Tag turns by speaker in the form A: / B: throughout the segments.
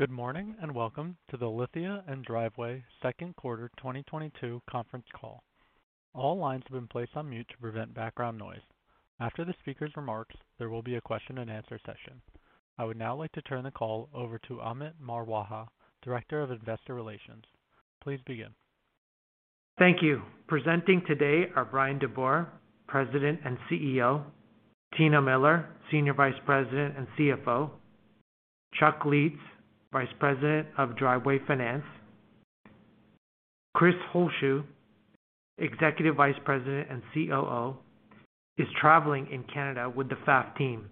A: Good morning, and welcome to the Lithia & Driveway second quarter 2022 conference call. All lines have been placed on mute to prevent background noise. After the speaker's remarks, there will be a question-and-answer session. I would now like to turn the call over to Amit Marwaha, Director of Investor Relations. Please begin.
B: Thank you. Presenting today are Bryan DeBoer, President and CEO, Tina Miller, Senior Vice President and CFO, Chuck Lietz, Vice President of Driveway Finance. Chris Holzshu, Executive Vice President and COO, is traveling in Canada with the FAF team.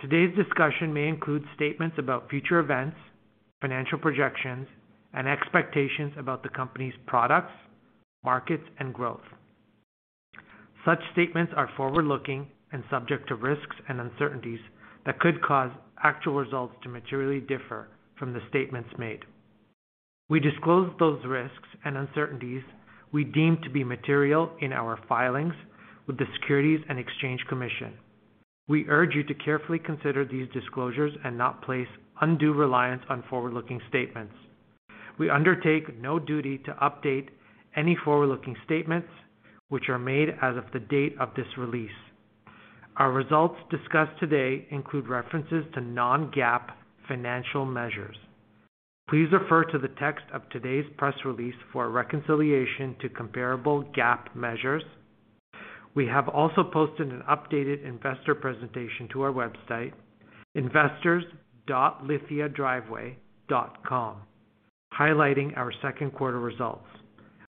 B: Today's discussion may include statements about future events, financial projections, and expectations about the company's products, markets, and growth. Such statements are forward-looking and subject to risks and uncertainties that could cause actual results to materially differ from the statements made. We disclose those risks and uncertainties we deem to be material in our filings with the Securities and Exchange Commission. We urge you to carefully consider these disclosures and not place undue reliance on forward-looking statements. We undertake no duty to update any forward-looking statements which are made as of the date of this release. Our results discussed today include references to non-GAAP financial measures. Please refer to the text of today's press release for a reconciliation to comparable GAAP measures. We have also posted an updated investor presentation to our website, investors.lithiadriveway.com, highlighting our second quarter results.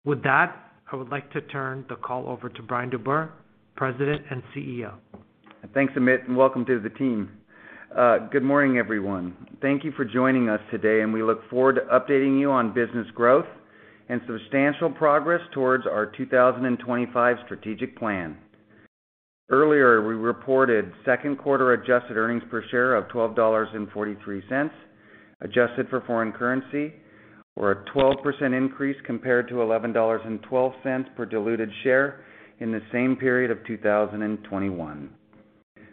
B: With that, I would like to turn the call over to Bryan DeBoer, President and CEO.
C: Thanks, Amit, and welcome to the team. Good morning, everyone. Thank you for joining us today, and we look forward to updating you on business growth and substantial progress towards our 2025 strategic plan. Earlier, we reported second quarter adjusted earnings per share of $12.43, adjusted for foreign currency or a 12% increase compared to $11.12 per diluted share in the same period of 2021.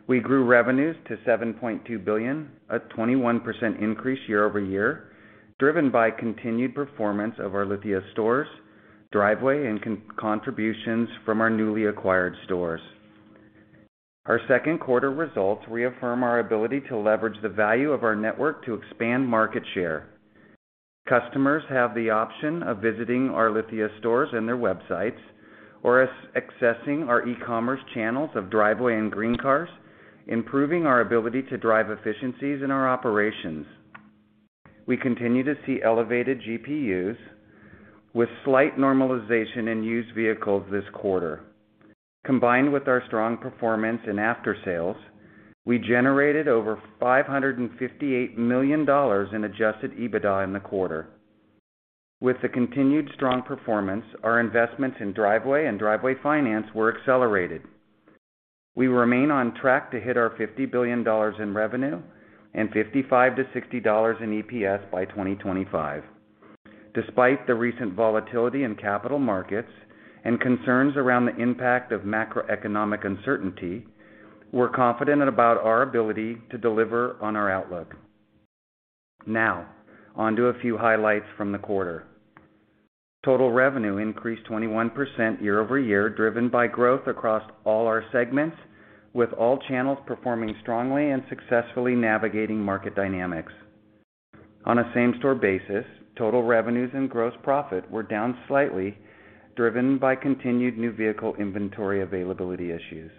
C: We grew revenues to $7.2 billion, a 21% increase year-over-year, driven by continued performance of our Lithia stores, Driveway, and contributions from our newly acquired stores. Our second quarter results reaffirm our ability to leverage the value of our network to expand market share. Customers have the option of visiting our Lithia stores and their websites or accessing our e-commerce channels of Driveway and GreenCars, improving our ability to drive efficiencies in our operations. We continue to see elevated GPUs with slight normalization in used vehicles this quarter. Combined with our strong performance in after-sales, we generated over $558 million in adjusted EBITDA in the quarter. With the continued strong performance, our investments in Driveway and Driveway Finance were accelerated. We remain on track to hit our $50 billion in revenue and $55-$60 in EPS by 2025. Despite the recent volatility in capital markets and concerns around the impact of macroeconomic uncertainty, we're confident about our ability to deliver on our outlook. Now, onto a few highlights from the quarter. Total revenue increased 21% year-over-year, driven by growth across all our segments, with all channels performing strongly and successfully navigating market dynamics. On a same-store basis, total revenues and gross profit were down slightly, driven by continued new vehicle inventory availability issues.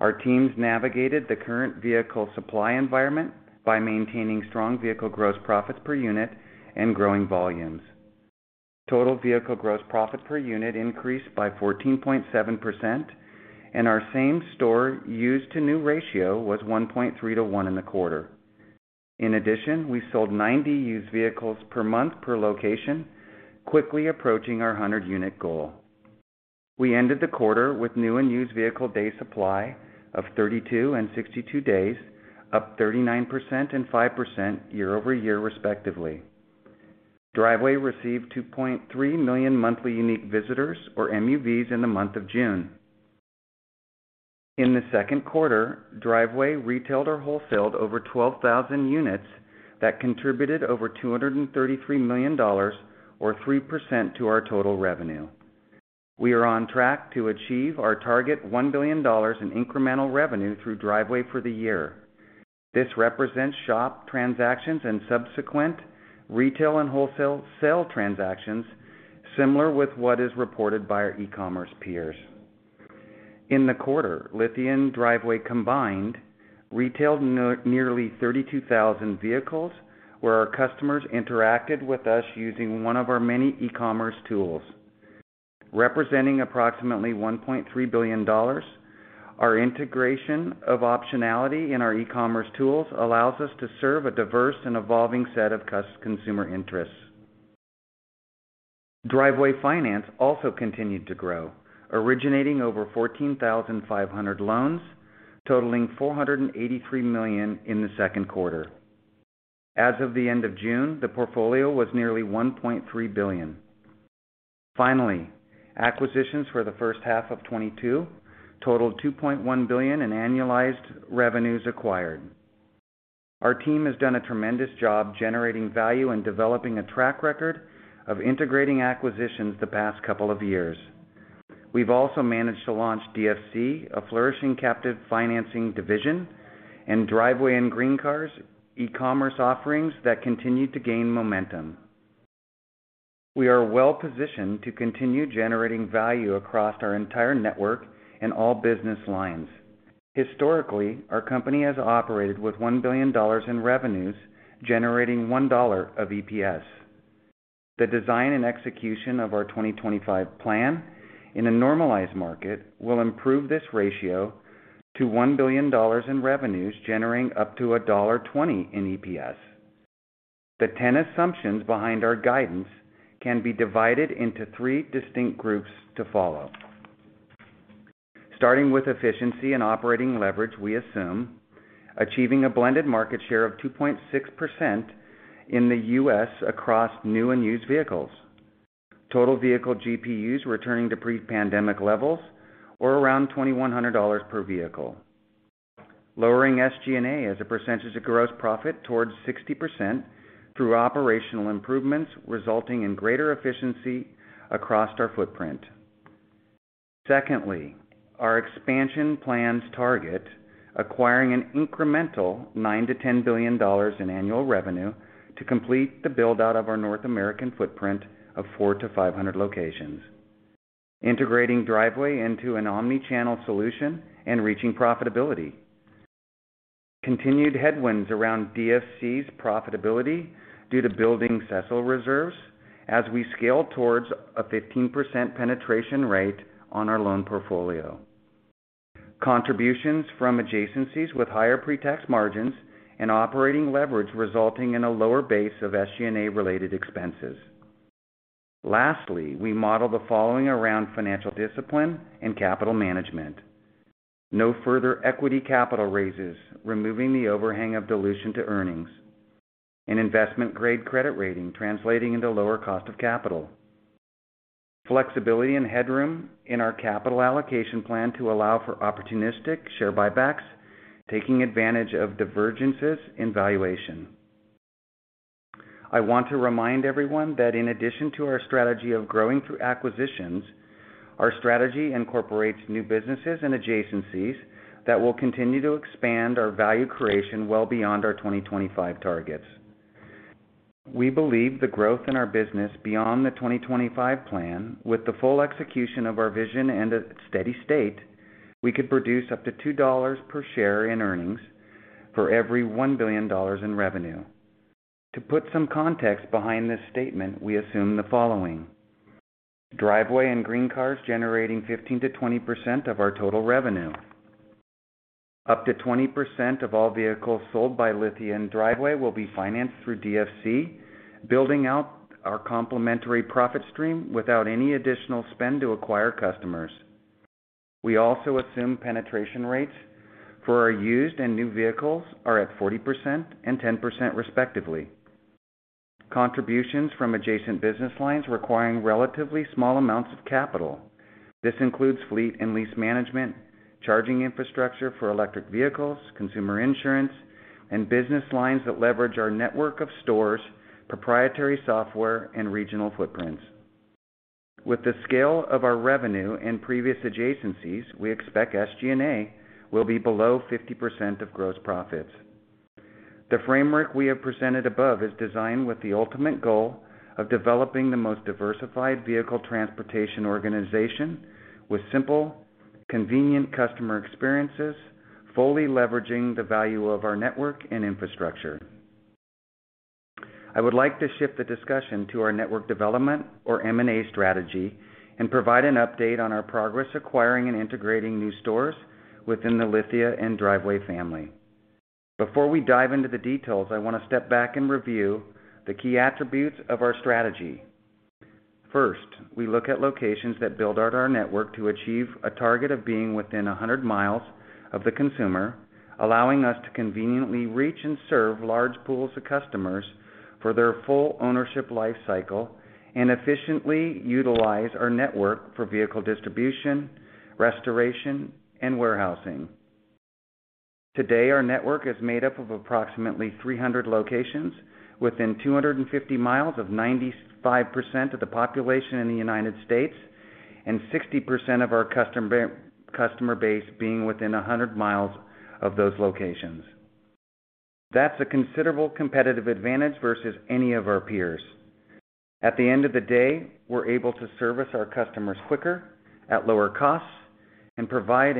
C: Our teams navigated the current vehicle supply environment by maintaining strong vehicle gross profits per unit and growing volumes. Total vehicle gross profit per unit increased by 14.7%, and our same store used to new ratio was 1.3-1 in the quarter. In addition, we sold 90 used vehicles per month per location, quickly approaching our 100-unit goal. We ended the quarter with new and used vehicle day supply of 32 and 62 days, up 39% and 5% year-over-year, respectively. Driveway received 2.3 million monthly unique visitors or MUVs in the month of June. In the second quarter, Driveway retailed or wholesaled over 12,000 units that contributed over $233 million or 3% to our total revenue. We are on track to achieve our target $1 billion in incremental revenue through Driveway for the year. This represents shop transactions and subsequent retail and wholesale sale transactions, similar with what is reported by our e-commerce peers. In the quarter, Lithia and Driveway combined retailed nearly 32,000 vehicles where our customers interacted with us using one of our many e-commerce tools. Representing approximately $1.3 billion, our integration of optionality in our e-commerce tools allows us to serve a diverse and evolving set of consumer interests. Driveway Finance also continued to grow, originating over 14,500 loans totaling $483 million in the second quarter. As of the end of June, the portfolio was nearly $1.3 billion. Finally, acquisitions for the first half of 2022 totaled $2.1 billion in annualized revenues acquired. Our team has done a tremendous job generating value and developing a track record of integrating acquisitions the past couple of years. We've also managed to launch DFC, a flourishing captive financing division, and Driveway and GreenCars e-commerce offerings that continue to gain momentum. We are well-positioned to continue generating value across our entire network and all business lines. Historically, our company has operated with $1 billion in revenues, generating $1 of EPS. The design and execution of our 2025 plan in a normalized market will improve this ratio to $1 billion in revenues, generating up to $1.20 in EPS. The 10 assumptions behind our guidance can be divided into three distinct groups to follow. Starting with efficiency and operating leverage, we assume achieving a blended market share of 2.6% in the U.S. across new and used vehicles. Total vehicle GPUs returning to pre-pandemic levels or around $2,100 per vehicle. Lowering SG&A as a percentage of gross profit towards 60% through operational improvements, resulting in greater efficiency across our footprint. Secondly, our expansion plans target acquiring an incremental $9 billion-$10 billion in annual revenue to complete the build-out of our North American footprint of 400-500 locations, integrating Driveway into an omni-channel solution and reaching profitability. Continued headwinds around DFC's profitability due to building CECL reserves as we scale towards a 15% penetration rate on our loan portfolio. Contributions from adjacencies with higher pre-tax margins and operating leverage resulting in a lower base of SG&A-related expenses. Lastly, we model the following around financial discipline and capital management. No further equity capital raises, removing the overhang of dilution to earnings. An investment-grade credit rating translating into lower cost of capital. Flexibility and headroom in our capital allocation plan to allow for opportunistic share buybacks, taking advantage of divergences in valuation. I want to remind everyone that in addition to our strategy of growing through acquisitions, our strategy incorporates new businesses and adjacencies that will continue to expand our value creation well beyond our 2025 targets. We believe the growth in our business beyond the 2025 plan with the full execution of our vision and a steady state, we could produce up to $2 per share in earnings for every $1 billion in revenue. To put some context behind this statement, we assume the following. Driveway and GreenCars generating 15%-20% of our total revenue. Up to 20% of all vehicles sold by Lithia and Driveway will be financed through DFC, building out our complementary profit stream without any additional spend to acquire customers. We also assume penetration rates for our used and new vehicles are at 40% and 10% respectively. Contributions from adjacent business lines requiring relatively small amounts of capital. This includes fleet and lease management, charging infrastructure for electric vehicles, consumer insurance, and business lines that leverage our network of stores, proprietary software, and regional footprints. With the scale of our revenue and previous adjacencies, we expect SG&A will be below 50% of gross profits. The framework we have presented above is designed with the ultimate goal of developing the most diversified vehicle transportation organization with simple, convenient customer experiences, fully leveraging the value of our network and infrastructure. I would like to shift the discussion to our network development or M&A strategy and provide an update on our progress acquiring and integrating new stores within the Lithia and Driveway family. Before we dive into the details, I want to step back and review the key attributes of our strategy. First, we look at locations that build out our network to achieve a target of being within 100 miles of the consumer, allowing us to conveniently reach and serve large pools of customers for their full ownership life cycle and efficiently utilize our network for vehicle distribution, restoration, and warehousing. Today, our network is made up of approximately 300 locations within 250 miles of 95% of the population in the United States and 60% of our customer base being within 100 miles of those locations. That's a considerable competitive advantage versus any of our peers. At the end of the day, we're able to service our customers quicker at lower costs and provide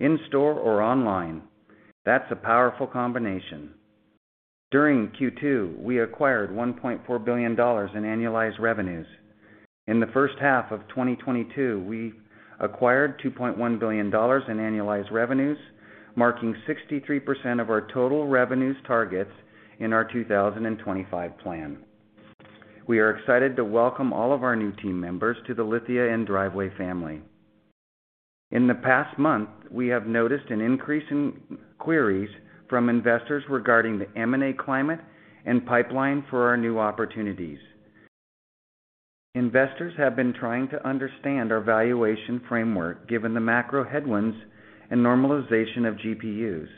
C: an in-house financing solution in-store or online. That's a powerful combination. During Q2, we acquired $1.4 billion in annualized revenues. In the first half of 2022, we acquired $2.1 billion in annualized revenues, marking 63% of our total revenues targets in our 2025 plan. We are excited to welcome all of our new team members to the Lithia & Driveway family. In the past month, we have noticed an increase in queries from investors regarding the M&A climate and pipeline for our new opportunities. Investors have been trying to understand our valuation framework, given the macro headwinds and normalization of GPUs.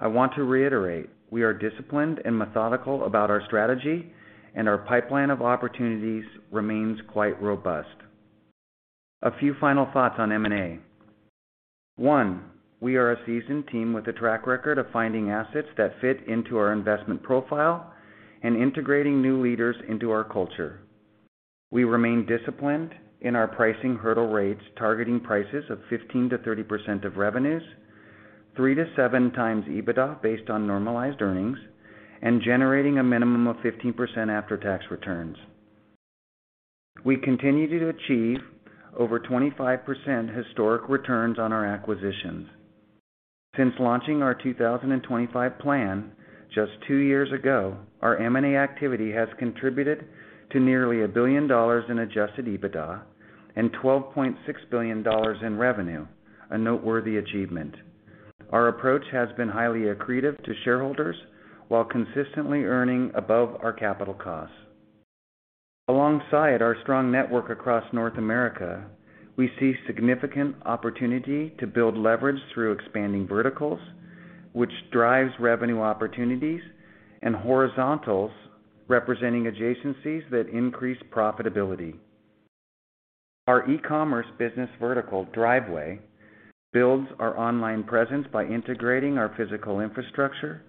C: I want to reiterate, we are disciplined and methodical about our strategy and our pipeline of opportunities remains quite robust. A few final thoughts on M&A. One, we are a seasoned team with a track record of finding assets that fit into our investment profile and integrating new leaders into our culture. We remain disciplined in our pricing hurdle rates, targeting prices of 15%-30% of revenues, 3-7x EBITDA based on normalized earnings, and generating a minimum of 15% after-tax returns. We continue to achieve over 25% historic returns on our acquisitions. Since launching our 2025 plan just two years ago, our M&A activity has contributed to nearly $1 billion in adjusted EBITDA and $12.6 billion in revenue, a noteworthy achievement. Our approach has been highly accretive to shareholders while consistently earning above our capital costs. Alongside our strong network across North America, we see significant opportunity to build leverage through expanding verticals, which drives revenue opportunities, and horizontals, representing adjacencies that increase profitability. Our e-commerce business vertical, Driveway, builds our online presence by integrating our physical infrastructure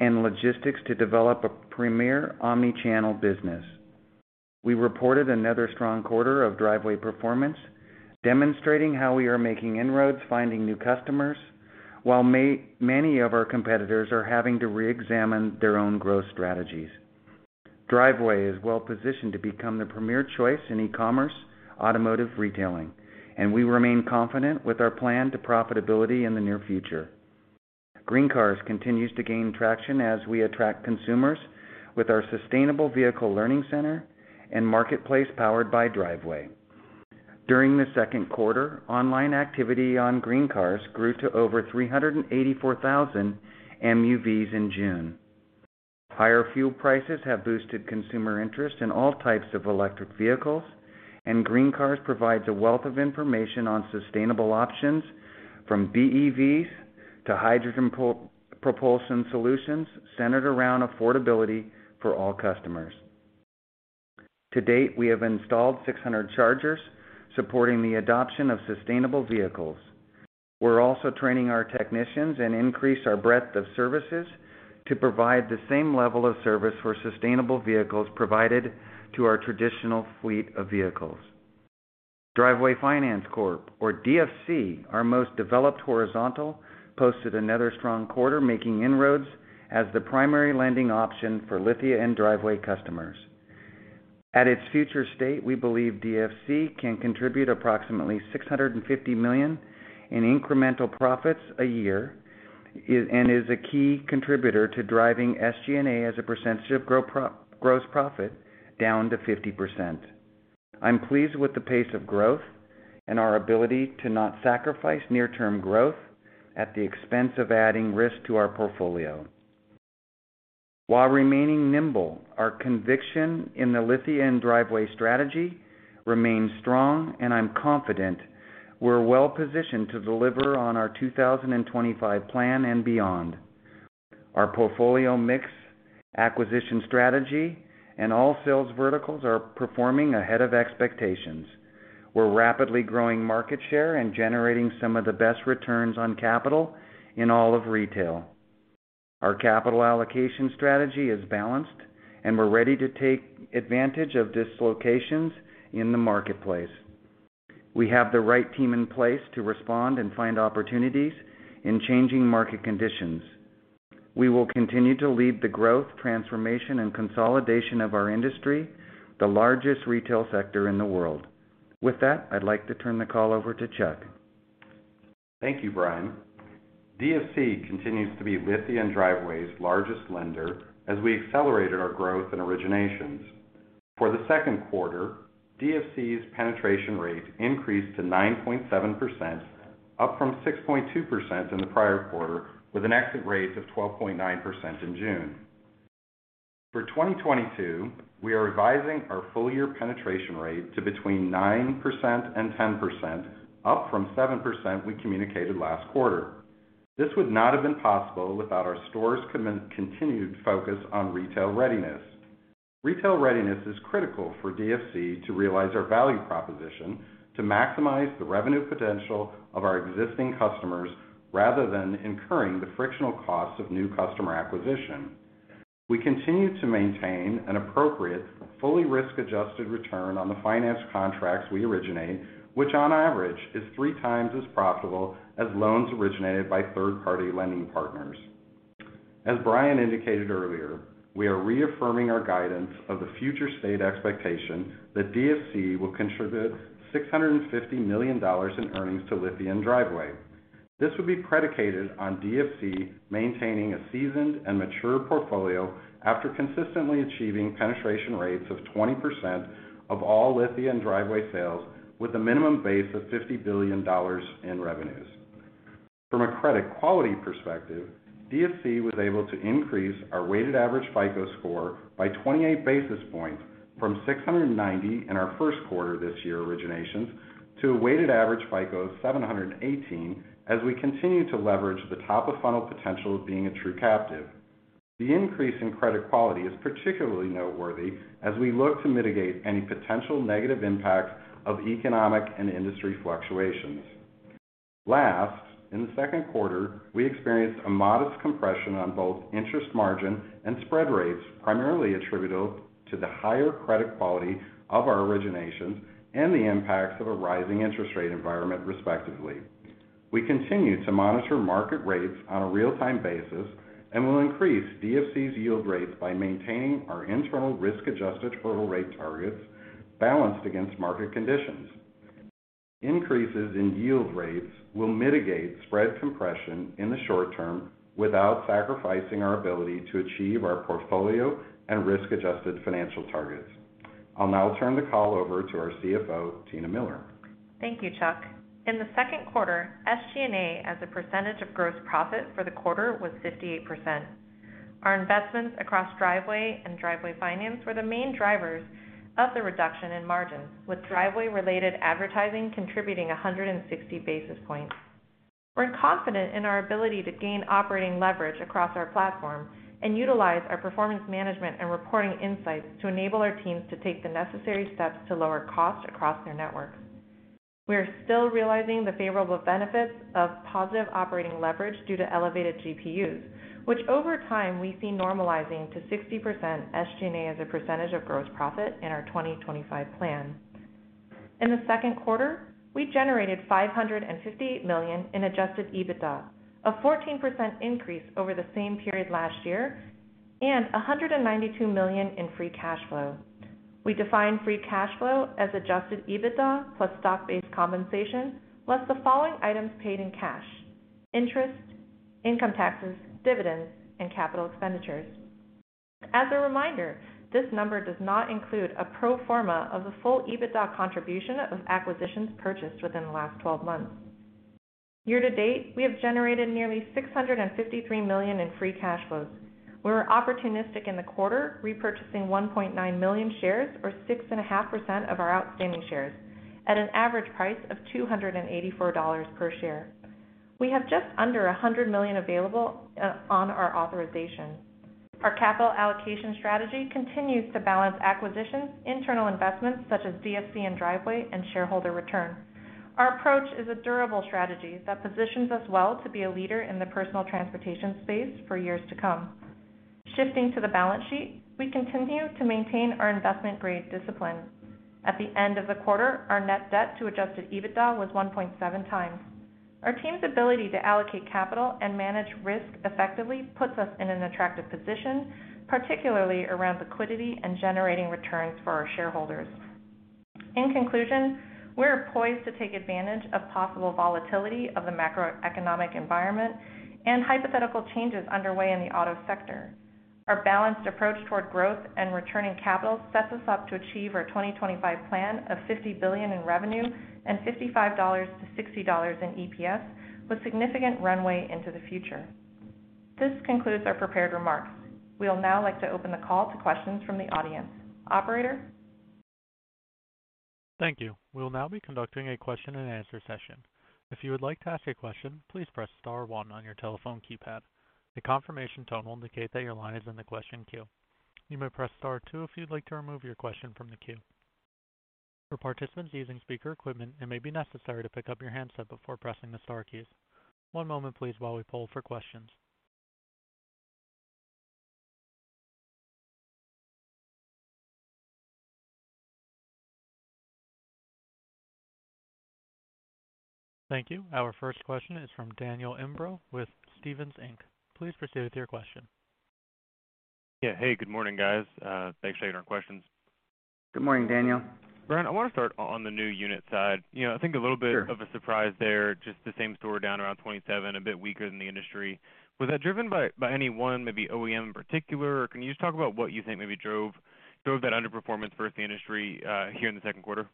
C: and logistics to develop a premier omni-channel business. We reported another strong quarter of Driveway performance, demonstrating how we are making inroads finding new customers, while many of our competitors are having to reexamine their own growth strategies. Driveway is well-positioned to become the premier choice in e-commerce automotive retailing, and we remain confident with our plan to profitability in the near future. GreenCars continues to gain traction as we attract consumers with our sustainable vehicle learning center and marketplace powered by Driveway. During the second quarter, online activity on GreenCars grew to over 384,000 MUVs in June. Higher fuel prices have boosted consumer interest in all types of electric vehicles, and GreenCars provides a wealth of information on sustainable options from BEVs to hydrogen propulsion solutions centered around affordability for all customers. To date, we have installed 600 chargers supporting the adoption of sustainable vehicles. We're also training our technicians and increase our breadth of services to provide the same level of service for sustainable vehicles provided to our traditional fleet of vehicles. Driveway Finance Corp, or DFC, our most developed horizontal, posted another strong quarter, making inroads as the primary lending option for Lithia and Driveway customers. At its future state, we believe DFC can contribute approximately $650 million in incremental profits a year, and is a key contributor to driving SG&A as a percentage of gross profit down to 50%. I'm pleased with the pace of growth and our ability to not sacrifice near-term growth at the expense of adding risk to our portfolio. While remaining nimble, our conviction in the Lithia and Driveway strategy remains strong, and I'm confident we're well-positioned to deliver on our 2025 plan and beyond. Our portfolio mix, acquisition strategy, and all sales verticals are performing ahead of expectations. We're rapidly growing market share and generating some of the best returns on capital in all of retail. Our capital allocation strategy is balanced, and we're ready to take advantage of dislocations in the marketplace. We have the right team in place to respond and find opportunities in changing market conditions. We will continue to lead the growth, transformation, and consolidation of our industry, the largest retail sector in the world. With that, I'd like to turn the call over to Chuck.
D: Thank you, Bryan. DFC continues to be Lithia & Driveway's largest lender as we accelerated our growth in originations. For the second quarter, DFC's penetration rate increased to 9.7%, up from 6.2% in the prior quarter, with an exit rate of 12.9% in June. For 2022, we are revising our full year penetration rate to between 9% and 10%, up from 7% we communicated last quarter. This would not have been possible without our stores' continued focus on retail readiness. Retail readiness is critical for DFC to realize our value proposition to maximize the revenue potential of our existing customers rather than incurring the frictional costs of new customer acquisition. We continue to maintain an appropriate, fully risk-adjusted return on the finance contracts we originate, which on average is three times as profitable as loans originated by third-party lending partners. As Bryan indicated earlier, we are reaffirming our guidance of the future state expectation that DFC will contribute $650 million in earnings to Lithia and Driveway. This would be predicated on DFC maintaining a seasoned and mature portfolio after consistently achieving penetration rates of 20% of all Lithia and Driveway sales, with a minimum base of $50 billion in revenues. From a credit quality perspective, DFC was able to increase our weighted average FICO score by 28 basis points from 690 in our first quarter this year originations to a weighted average FICO of 718 as we continue to leverage the top of funnel potential of being a true captive. The increase in credit quality is particularly noteworthy as we look to mitigate any potential negative impact of economic and industry fluctuations. Last, in the second quarter, we experienced a modest compression on both interest margin and spread rates, primarily attributable to the higher credit quality of our originations and the impacts of a rising interest rate environment, respectively. We continue to monitor market rates on a real-time basis and will increase DFC's yield rates by maintaining our internal risk-adjusted total rate targets balanced against market conditions. Increases in yield rates will mitigate spread compression in the short term without sacrificing our ability to achieve our portfolio and risk-adjusted financial targets. I'll now turn the call over to our CFO, Tina Miller.
E: Thank you, Chuck. In the second quarter, SG&A as a percentage of gross profit for the quarter was 58%. Our investments across Driveway and Driveway Finance were the main drivers of the reduction in margins, with Driveway-related advertising contributing 160 basis points. We're confident in our ability to gain operating leverage across our platform and utilize our performance management and reporting insights to enable our teams to take the necessary steps to lower costs across their networks. We are still realizing the favorable benefits of positive operating leverage due to elevated GPUs, which over time, we see normalizing to 60% SG&A as a percentage of gross profit in our 2025 plan. In the second quarter, we generated $558 million in adjusted EBITDA, a 14% increase over the same period last year, and $192 million in free cash flow. We define free cash flow as adjusted EBITDA plus stock-based compensation, less the following items paid in cash, interest, income taxes, dividends, and capital expenditures. As a reminder, this number does not include a pro forma of the full EBITDA contribution of acquisitions purchased within the last twelve months. Year-to-date, we have generated nearly $653 million in free cash flows. We were opportunistic in the quarter, repurchasing 1.9 million shares or 6.5% of our outstanding shares at an average price of $284 per share. We have just under $100 million available on our authorization. Our capital allocation strategy continues to balance acquisitions, internal investments such as DFC and Driveway, and shareholder return. Our approach is a durable strategy that positions us well to be a leader in the personal transportation space for years to come. Shifting to the balance sheet, we continue to maintain our investment-grade discipline. At the end of the quarter, our net debt to adjusted EBITDA was 1.7 times. Our team's ability to allocate capital and manage risk effectively puts us in an attractive position, particularly around liquidity and generating returns for our shareholders. In conclusion, we are poised to take advantage of possible volatility of the macroeconomic environment and hypothetical changes underway in the auto sector. Our balanced approach toward growth and returning capital sets us up to achieve our 2025 plan of $50 billion in revenue and $55-$60 in EPS, with significant runway into the future. This concludes our prepared remarks. We'll now like to open the call to questions from the audience. Operator?
A: Thank you. We'll now be conducting a question-and-answer session. If you would like to ask a question, please press star one on your telephone keypad. A confirmation tone will indicate that your line is in the question queue. You may press star two if you'd like to remove your question from the queue. For participants using speaker equipment, it may be necessary to pick up your handset before pressing the star keys. One moment, please, while we poll for questions. Thank you. Our first question is from Daniel Imbro with Stephens Inc. Please proceed with your question.
F: Yeah. Hey, good morning, guys. Thanks for taking our questions.
C: Good morning, Daniel.
F: Bryan, I want to start on the new unit side. You know, I think a little bit.
C: Sure
F: of a surprise there, just the same store down around 27%, a bit weaker than the industry. Was that driven by any one maybe OEM in particular, or can you just talk about what you think maybe drove that underperformance versus the industry here in the second quarter?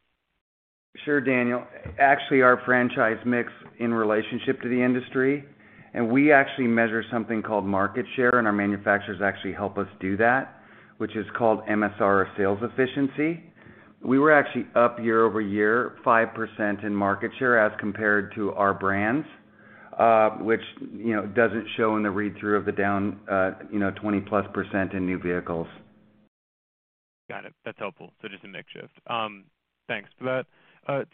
C: Sure, Daniel. Actually, our franchise mix in relationship to the industry, and we actually measure something called market share, and our manufacturers actually help us do that, which is called MSR sales efficiency. We were actually up year-over-year 5% in market share as compared to our brands, which, you know, doesn't show in the read-through of the downturn, you know, 20%+ in new vehicles.
F: Got it. That's helpful. Just a mix shift. Thanks for that.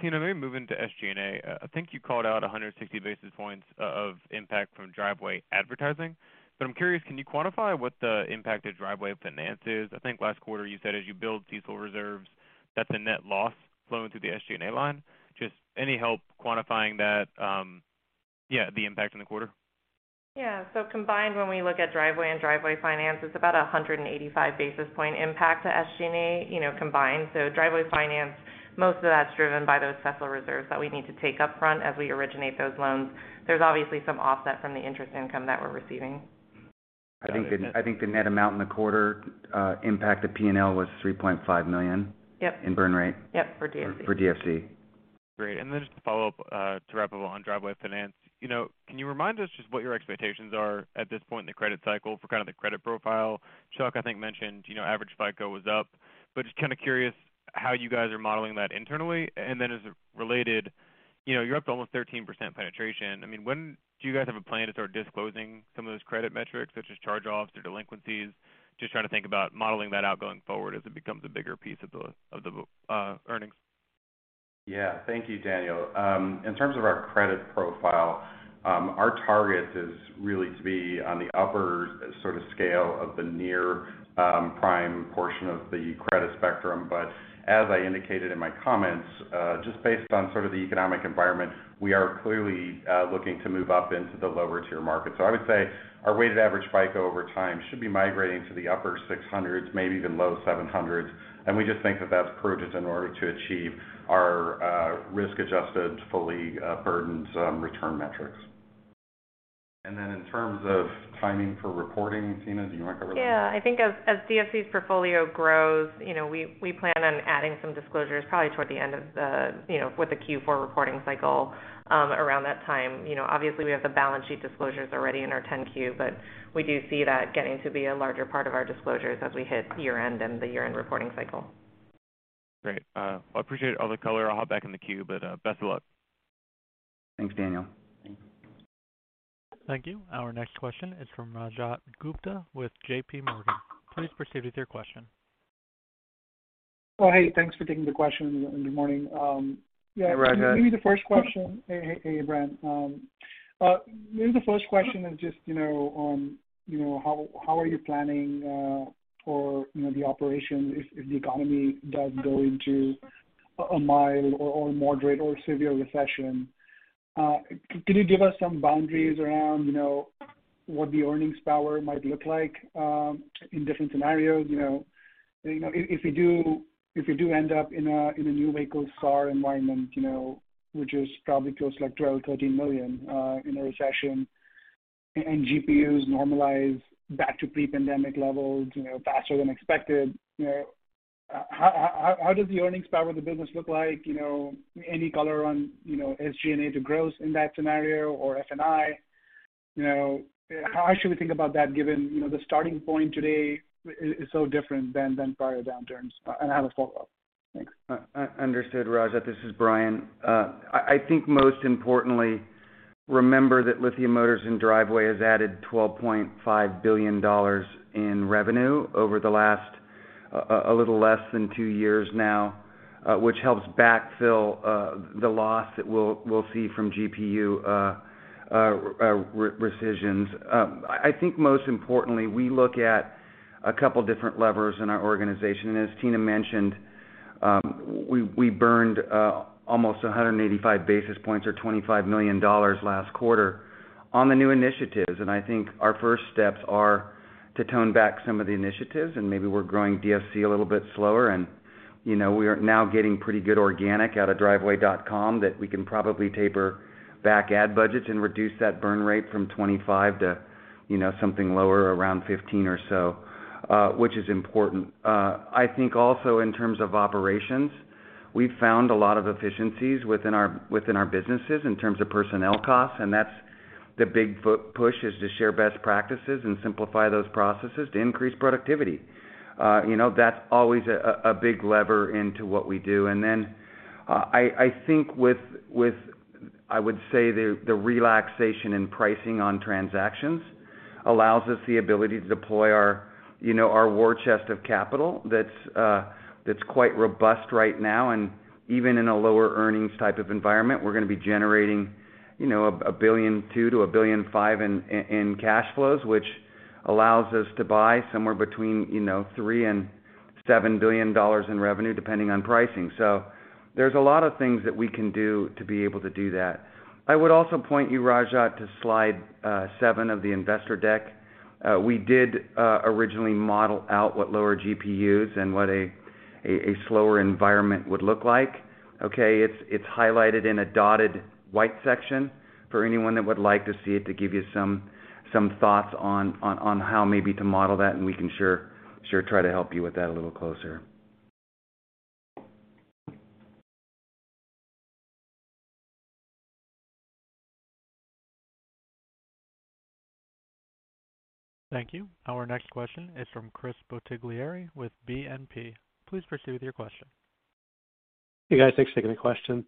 F: Tina, maybe moving to SG&A. I think you called out 160 basis points of impact from Driveway advertising. I'm curious, can you quantify what the impact of Driveway Finance is? I think last quarter you said as you build CECL reserves, that's a net loss flowing through the SG&A line. Just any help quantifying that, the impact in the quarter?
E: Yeah. Combined, when we look at Driveway and Driveway Finance, it's about 185 basis point impact to SG&A, you know, combined. Driveway Finance, most of that's driven by those CECL reserves that we need to take upfront as we originate those loans. There's obviously some offset from the interest income that we're receiving.
C: I think the net amount in the quarter, impact to P&L was $3.5 million.
E: Yep.
C: in burn rate.
E: Yep, for DFC.
C: For DFC.
F: Great. Just to follow up, to wrap up on Driveway Finance, you know, can you remind us just what your expectations are at this point in the credit cycle for kind of the credit profile? Chuck, I think, mentioned, you know, average FICO was up, but just kinda curious how you guys are modeling that internally. As related, you know, you're up to almost 13% penetration. I mean, when do you guys have a plan to start disclosing some of those credit metrics, such as charge-offs or delinquencies? Just trying to think about modeling that out going forward as it becomes a bigger piece of the earnings.
C: Yeah. Thank you, Daniel. In terms of our credit profile, our target is really to be on the upper sort of scale of the near prime portion of the credit spectrum. As I indicated in my comments, just based on sort of the economic environment, we are clearly looking to move up into the lower tier market. I would say our weighted average FICO over time should be migrating to the upper 600s, maybe even low 700s. We just think that that's prudent in order to achieve our risk-adjusted, fully burdened return metrics. Then in terms of timing for reporting, Tina, do you want to cover that?
E: Yeah. I think as DFC's portfolio grows, you know, we plan on adding some disclosures probably toward the end, you know, with the Q4 reporting cycle, around that time. You know, obviously we have the balance sheet disclosures already in our 10-Q, but we do see that getting to be a larger part of our disclosures as we hit year-end and the year-end reporting cycle.
F: Great. I appreciate all the color. I'll hop back in the queue, but best of luck.
C: Thanks, Daniel.
A: Thank you. Our next question is from Rajat Gupta with JP Morgan. Please proceed with your question.
G: Oh, hey, thanks for taking the question, and good morning. Yeah.
C: Hi, Rajat.
G: Maybe the first question is just, you know, how are you planning for the operation if the economy does go into a mild or moderate or severe recession? Can you give us some boundaries around, you know, what the earnings power might look like in different scenarios? You know, if you do end up in a new vehicle SAAR environment, you know, which is probably close to like 12-13 million in a recession and GPUs normalize back to pre-pandemic levels, you know, faster than expected, you know, how does the earnings power of the business look like? You know, any color on, you know, SG&A to gross in that scenario or F&I? You know, how should we think about that given the starting point today is so different than prior downturns? I have a follow-up. Thanks.
C: Understood, Rajat. This is Bryan. I think most importantly, remember that Lithia Motors and Driveway has added $12.5 billion in revenue over the last a little less than two years now, which helps backfill the loss that we'll see from GPU rescissions. I think most importantly, we look at a couple different levers in our organization. As Tina mentioned, we burned almost 185 basis points or $25 million last quarter on the new initiatives. I think our first steps are to tone back some of the initiatives, and maybe we're growing DFC a little bit slower. You know, we are now getting pretty good organic out of Driveway.com that we can probably taper back ad budgets and reduce that burn rate from 25 to, you know, something lower around 15 or so, which is important. I think also in terms of operations, we've found a lot of efficiencies within our businesses in terms of personnel costs, and that's the big push, is to share best practices and simplify those processes to increase productivity. You know, that's always a big lever into what we do. I think with the relaxation in pricing on transactions allows us the ability to deploy our, you know, our war chest of capital that's quite robust right now. Even in a lower earnings type of environment, we're gonna be generating, you know, $1.2 billion-$1.5 billion in cash flows, which allows us to buy somewhere between, you know, $3 billion and $7 billion in revenue, depending on pricing. There's a lot of things that we can do to be able to do that. I would also point you, Rajat, to slide seven of the investor deck. We did originally model out what lower GPUs and what a slower environment would look like, okay? It's highlighted in a dotted white section for anyone that would like to see it to give you some thoughts on how maybe to model that, and we can sure try to help you with that a little closer.
A: Thank you. Our next question is from Chris Bottiglieri with BNP. Please proceed with your question.
H: Hey, guys. Thanks for taking the question.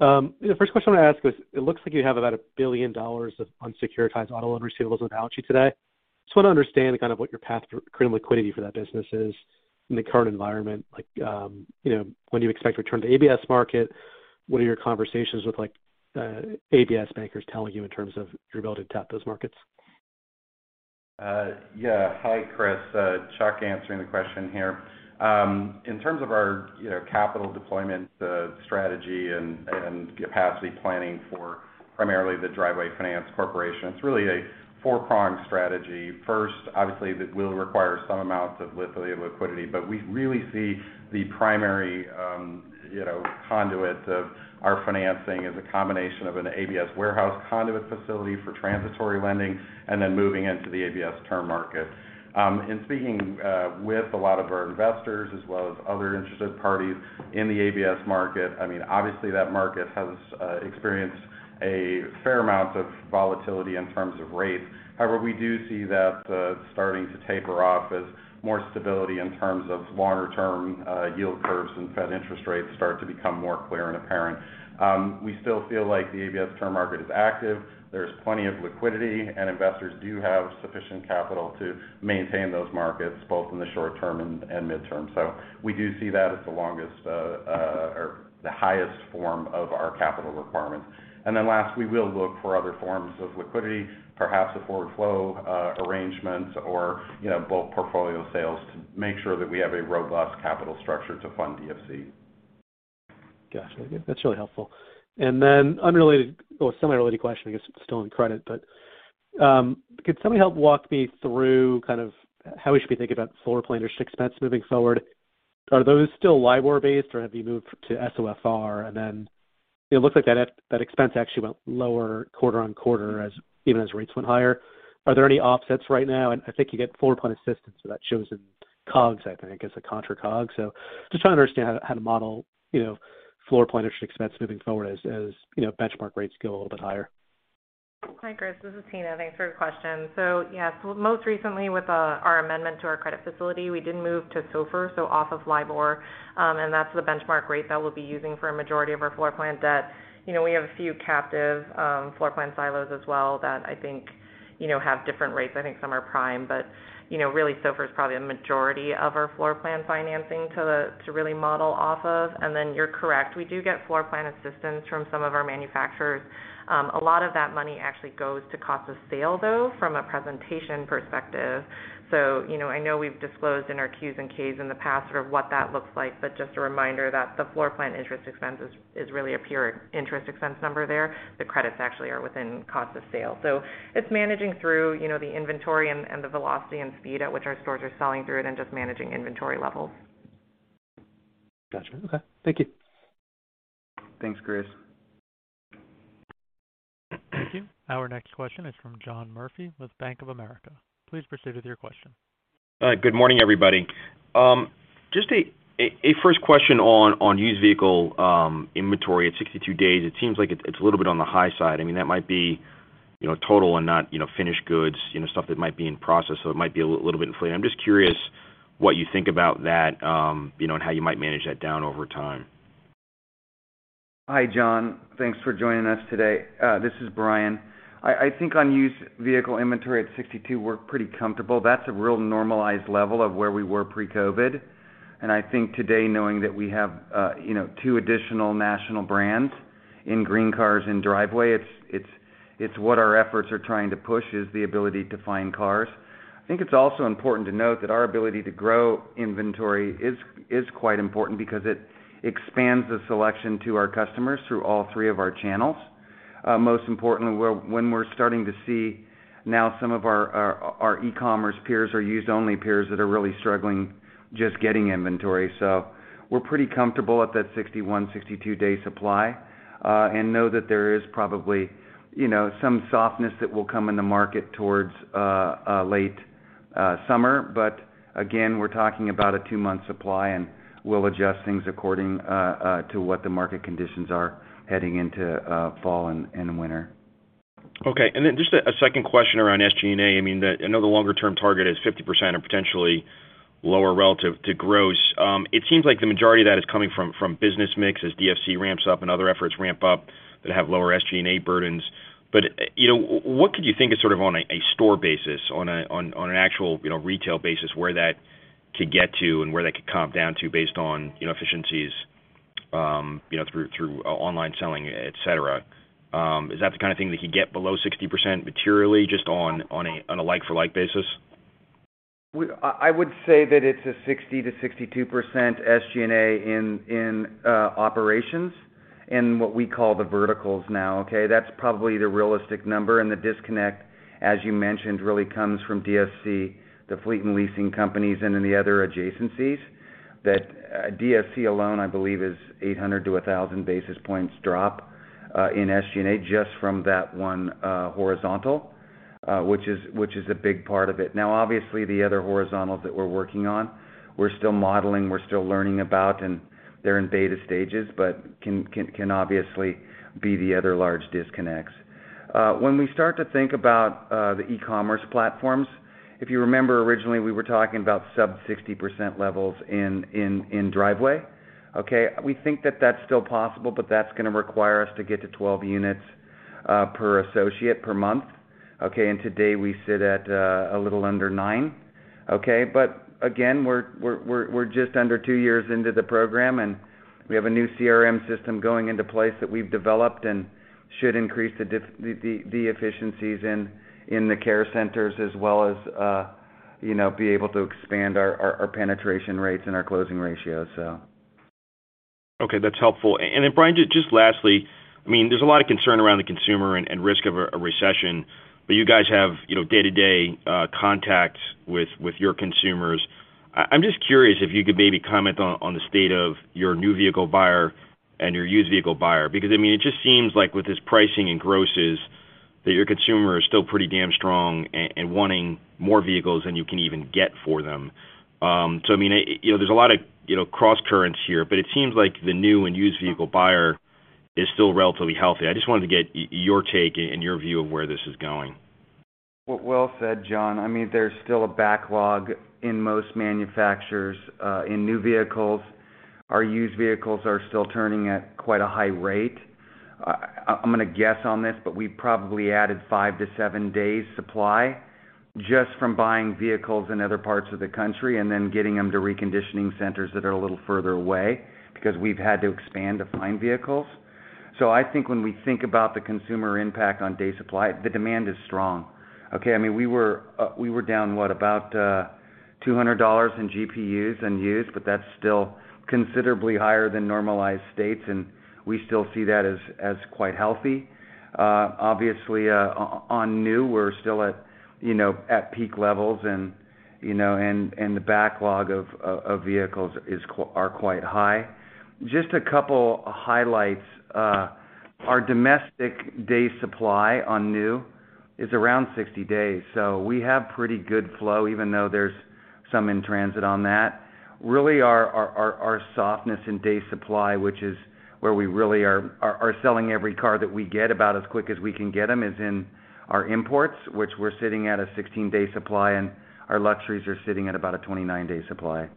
H: The first question I want to ask is, it looks like you have about $1 billion of unsecuritized auto loan receivables on balance sheet today. Just want to understand kind of what your path to creating liquidity for that business is in the current environment. Like, you know, when do you expect to return to ABS market? What are your conversations with like, ABS bankers telling you in terms of your ability to tap those markets?
C: Hi, Chris. Chuck answering the question here. In terms of our, you know, capital deployment, strategy and capacity planning for primarily the Driveway Finance Corporation, it's really a four-prong strategy. First, obviously, that will require some amounts of liquidity, but we really see the primary, you know, conduit of our financing as a combination of an ABS warehouse conduit facility for transitory lending and then moving into the ABS term market. In speaking with a lot of our investors as well as other interested parties in the ABS market, I mean, obviously that market has experienced a fair amount of volatility in terms of rates. However, we do see that starting to taper off as more stability in terms of longer-term, yield curves and Fed interest rates start to become more clear and apparent. We still feel like the ABS term market is active, there's plenty of liquidity, and investors do have sufficient capital to maintain those markets both in the short term and midterm. We do see that as the longest or the highest form of our capital requirements. Last, we will look for other forms of liquidity, perhaps a forward flow arrangement or, you know, bulk portfolio sales to make sure that we have a robust capital structure to fund DFC.
H: Got you. That's really helpful. Unrelated or semi-related question, I guess it's still on credit, but could somebody help walk me through kind of how we should be thinking about floorplan interest expense moving forward? Are those still LIBOR-based, or have you moved to SOFR? It looks like that expense actually went lower quarter on quarter even as rates went higher. Are there any offsets right now? I think you get floorplan assistance, so that shows in COGS, I think, as a contra COGS. Just trying to understand how to model, you know, floorplan interest expense moving forward as you know, benchmark rates go a little bit higher.
E: Hi, Chris, this is Tina. Thanks for the question. Yes, most recently with our amendment to our credit facility, we did move to SOFR, so off of LIBOR. That's the benchmark rate that we'll be using for a majority of our floorplan debt. You know, we have a few captive floorplan silos as well that I think, you know, have different rates. I think some are prime, but you know, really SOFR is probably a majority of our floorplan financing to really model off of. Then you're correct, we do get floorplan assistance from some of our manufacturers. A lot of that money actually goes to cost of sales, though, from a presentation perspective. You know, I know we've disclosed in our Qs and Ks in the past sort of what that looks like, but just a reminder that the floorplan interest expense is really a pure interest expense number there. The credits actually are within cost of sale. It's managing through, you know, the inventory and the velocity and speed at which our stores are selling through it and just managing inventory levels.
H: Got you. Okay. Thank you.
C: Thanks, Chris.
A: Thank you. Our next question is from John Murphy with Bank of America. Please proceed with your question.
I: Good morning, everybody. Just a first question on used vehicle inventory at 62 days. It seems like it's a little bit on the high side. I mean, that might be, you know, total and not, you know, finished goods, you know, stuff that might be in process. It might be a little bit inflated. I'm just curious what you think about that, you know, and how you might manage that down over time.
C: Hi, John. Thanks for joining us today. This is Bryan DeBoer. I think on used vehicle inventory at 62, we're pretty comfortable. That's a real normalized level of where we were pre-COVID. I think today, knowing that we have, you know, two additional national brands in GreenCars and Driveway, it's what our efforts are trying to push is the ability to find cars. I think it's also important to note that our ability to grow inventory is quite important because it expands the selection to our customers through all 3 of our channels. Most importantly, when we're starting to see now some of our e-commerce peers or used only peers that are really struggling just getting inventory. We're pretty comfortable at that 61-62 day supply, and know that there is probably, you know, some softness that will come in the market towards late summer. Again, we're talking about a 2-month supply, and we'll adjust things according to what the market conditions are heading into fall and winter.
I: Okay. Then just a second question around SG&A. I mean, I know the longer term target is 50% or potentially lower relative to gross. It seems like the majority of that is coming from business mix as DFC ramps up and other efforts ramp up that have lower SG&A burdens. You know, what could you think is sort of on a store basis, on an actual, you know, retail basis where that could get to and where that could comp down to based on, you know, efficiencies, you know, through online selling, et cetera? Is that the kind of thing that could get below 60% materially just on a like for like basis?
C: I would say that it's a 60%-62% SG&A in operations in what we call the verticals now, okay? That's probably the realistic number. The disconnect, as you mentioned, really comes from DFC, the fleet and leasing companies, and then the other adjacencies. That DFC alone, I believe is 800-1,000 basis points drop in SG&A just from that one horizontal, which is a big part of it. Now obviously, the other horizontals that we're working on, we're still modeling, we're still learning about, and they're in beta stages, but can obviously be the other large disconnects. When we start to think about the e-commerce platforms, if you remember originally we were talking about sub-60% levels in Driveway, okay? We think that that's still possible, but that's gonna require us to get to 12 units per associate per month, okay? Today we sit at a little under nine. Okay. Again, we're just under two years into the program, and we have a new CRM system going into place that we've developed and should increase the efficiencies in the care centers as well as you know be able to expand our penetration rates and our closing ratios.
I: Okay, that's helpful. Bryan, just lastly, I mean, there's a lot of concern around the consumer and risk of a recession, but you guys have, you know, day-to-day contact with your consumers. I'm just curious if you could maybe comment on the state of your new vehicle buyer and your used vehicle buyer because, I mean, it just seems like with this pricing and grosses that your consumer is still pretty damn strong and wanting more vehicles than you can even get for them. I mean, you know, there's a lot of, you know, crosscurrents here, but it seems like the new and used vehicle buyer is still relatively healthy. I just wanted to get your take and your view of where this is going.
C: Well said, John. I mean, there's still a backlog in most manufacturers in new vehicles. Our used vehicles are still turning at quite a high rate. I'm gonna guess on this, but we probably added 5-7 days supply just from buying vehicles in other parts of the country and then getting them to reconditioning centers that are a little further away because we've had to expand to find vehicles. I think when we think about the consumer impact on day supply, the demand is strong. Okay. I mean, we were down about $200 in GPUs and used, but that's still considerably higher than normalized states, and we still see that as quite healthy. Obviously, on new we're still at, you know, at peak levels and the backlog of vehicles is quite high. Just a couple highlights. Our domestic day supply on new is around 60 days. So we have pretty good flow even though there's some in-transit on that. Really our softness in day supply, which is where we really are selling every car that we get about as quick as we can get them, is in our imports, which we're sitting at a 16-day supply, and our luxuries are sitting at about a 29-day supply.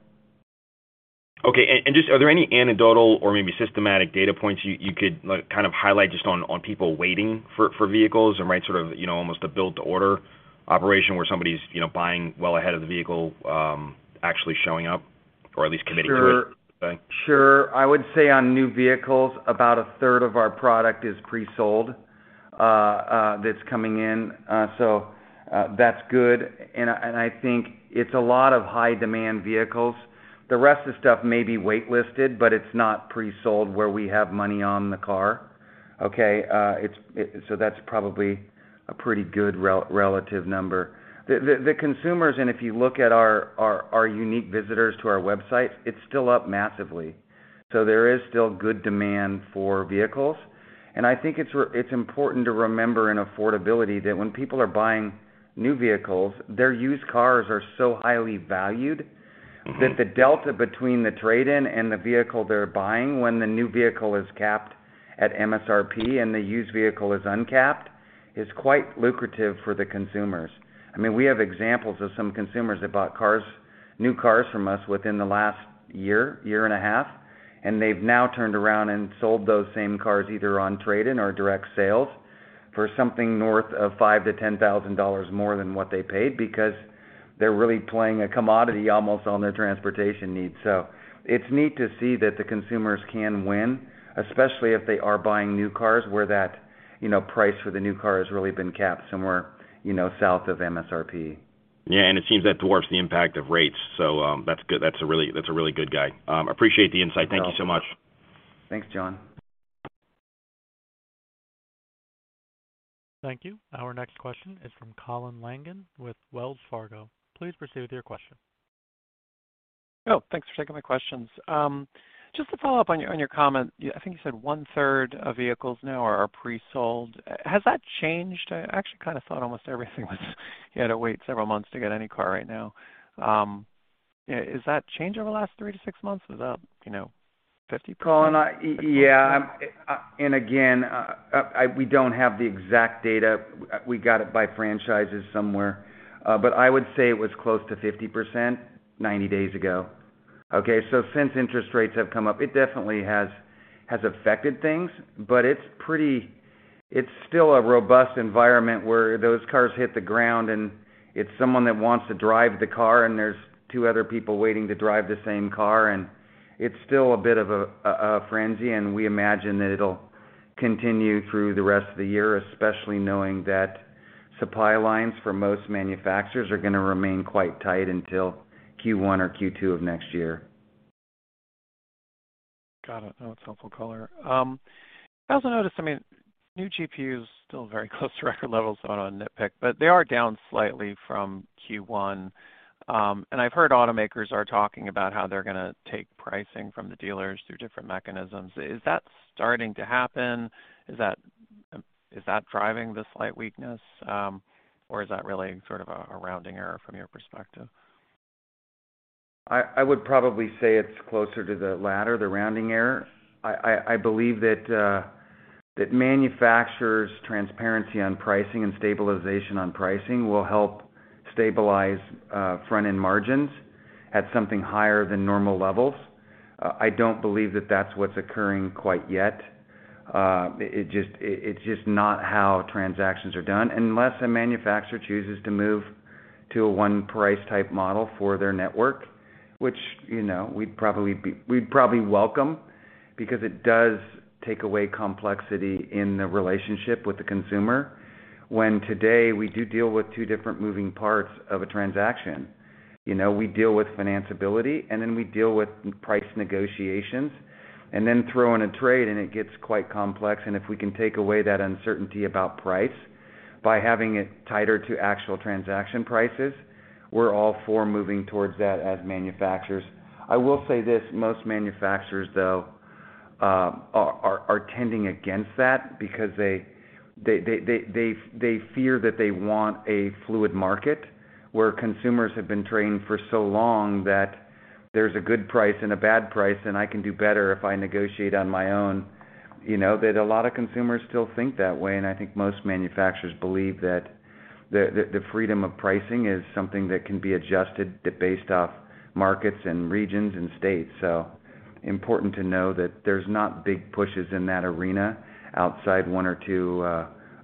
I: Okay. Just are there any anecdotal or maybe systematic data points you could like kind of highlight just on people waiting for vehicles and right, sort of, you know, almost a build-to-order operation where somebody's, you know, buying well ahead of the vehicle actually showing up or at least committing to it?
C: Sure. I would say on new vehicles, about a third of our product is pre-sold, that's coming in, so, that's good. I think it's a lot of high-demand vehicles. The rest of the stuff may be wait-listed, but it's not pre-sold where we have money on the car. Okay. That's probably a pretty good relative number. The consumers, and if you look at our unique visitors to our website, it's still up massively. There is still good demand for vehicles. I think it's important to remember in affordability that when people are buying new vehicles, their used cars are so highly valued.
I: Mm-hmm
C: That the delta between the trade-in and the vehicle they're buying when the new vehicle is capped at MSRP and the used vehicle is uncapped is quite lucrative for the consumers. I mean, we have examples of some consumers that bought cars, new cars from us within the last year and a half, and they've now turned around and sold those same cars either on trade-in or direct sales for something north of $5,000-$10,000 more than what they paid because they're really playing a commodity almost on their transportation needs. It's neat to see that the consumers can win, especially if they are buying new cars where that, you know, price for the new car has really been capped somewhere, you know, south of MSRP.
I: Yeah. It seems that dwarfs the impact of rates. That's good. That's a really good guide. Appreciate the insight. Thank you so much.
C: Thanks, John.
A: Thank you. Our next question is from Colin Langan with Wells Fargo. Please proceed with your question.
J: Oh, thanks for taking my questions. Just to follow up on your comment, I think you said one-third of vehicles now are pre-sold. Has that changed? I actually kind of thought almost everything was you had to wait several months to get any car right now. Is that changed over the last 3-6 months? Is that, you know, 50%?
C: Colin, yeah. We don't have the exact data. We got it by franchises somewhere. But I would say it was close to 50% 90 days ago. Okay. Since interest rates have come up, it definitely has affected things, but it's pretty, it's still a robust environment where those cars hit the ground, and it's someone that wants to drive the car, and there's two other people waiting to drive the same car. It's still a bit of a frenzy, and we imagine that it'll continue through the rest of the year, especially knowing that supply lines for most manufacturers are going to remain quite tight until Q1 or Q2 of next year.
J: Got it. That's helpful color. I also noticed, I mean, new GPU is still very close to record levels on nitpick, but they are down slightly from Q1. I've heard automakers are talking about how they're gonna take pricing from the dealers through different mechanisms. Is that starting to happen? Is that driving the slight weakness? Or is that really sort of a rounding error from your perspective?
C: I would probably say it's closer to the latter, the rounding error. I believe that manufacturers' transparency on pricing and stabilization on pricing will help stabilize front-end margins at something higher than normal levels. I don't believe that that's what's occurring quite yet. It's just not how transactions are done unless a manufacturer chooses to move to a one price type model for their network, which, you know, we'd probably welcome because it does take away complexity in the relationship with the consumer. When today we do deal with two different moving parts of a transaction. You know, we deal with financability, and then we deal with price negotiations, and then throw in a trade, and it gets quite complex. If we can take away that uncertainty about price by having it tighter to actual transaction prices, we're all for moving towards that as manufacturers. I will say this, most manufacturers, though, are tending against that because they fear that they want a fluid market where consumers have been trained for so long that there's a good price and a bad price, and I can do better if I negotiate on my own. You know, that a lot of consumers still think that way, and I think most manufacturers believe that the freedom of pricing is something that can be adjusted based off markets and regions and states. Important to know that there's not big pushes in that arena outside one or two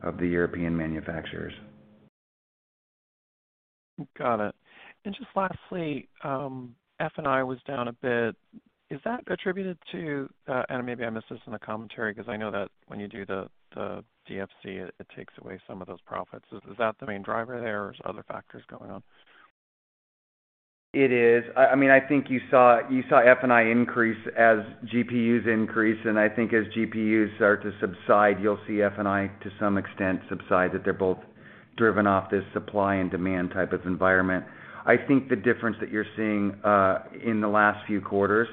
C: of the European manufacturers.
J: Got it. Just lastly, F&I was down a bit. Is that attributed to? Maybe I missed this in the commentary because I know that when you do the DFC, it takes away some of those profits. Is that the main driver there or is other factors going on?
C: It is. I mean, I think you saw F&I increase as GPUs increase, and I think as GPUs start to subside, you'll see F&I to some extent subside, that they're both driven off this supply and demand type of environment. I think the difference that you're seeing in the last few quarters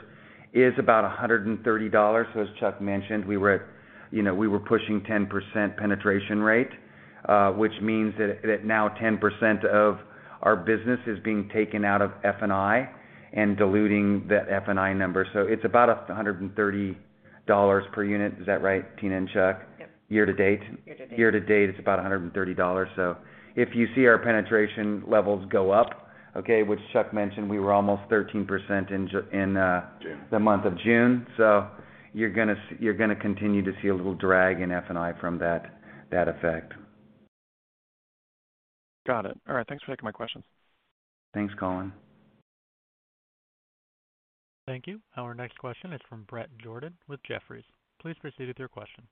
C: is about $130. As Chuck mentioned, we were at, you know, we were pushing 10% penetration rate, which means that now 10% of our business is being taken out of F&I and diluting the F&I number. It's about $100 per unit. Is that right, Tina and Chuck? Yep. Year to date? Year to date. Year to date, it's about $130. If you see our penetration levels go up, okay, which Chuck mentioned, we were almost 13% in
D: June
C: the month of June. You're gonna continue to see a little drag in F&I from that effect.
J: Got it. All right. Thanks for taking my questions.
C: Thanks, Colin.
A: Thank you. Our next question is from Bret Jordan with Jefferies. Please proceed with your question.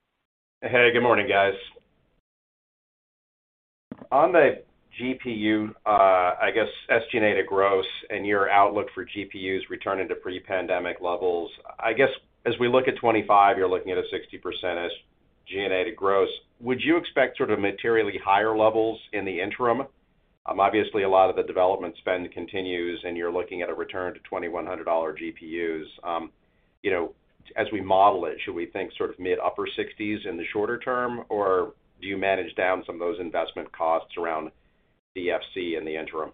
K: Hey, good morning, guys. On the GPU, I guess, SG&A to gross and your outlook for GPUs returning to pre-pandemic levels, I guess, as we look at 2025, you're looking at a 60%-ish SG&A to gross. Would you expect sort of materially higher levels in the interim? Obviously a lot of the development spend continues, and you're looking at a return to $2,100 GPUs. You know, as we model it, should we think sort of mid-upper 60s% in the shorter term, or do you manage down some of those investment costs around DFC in the interim?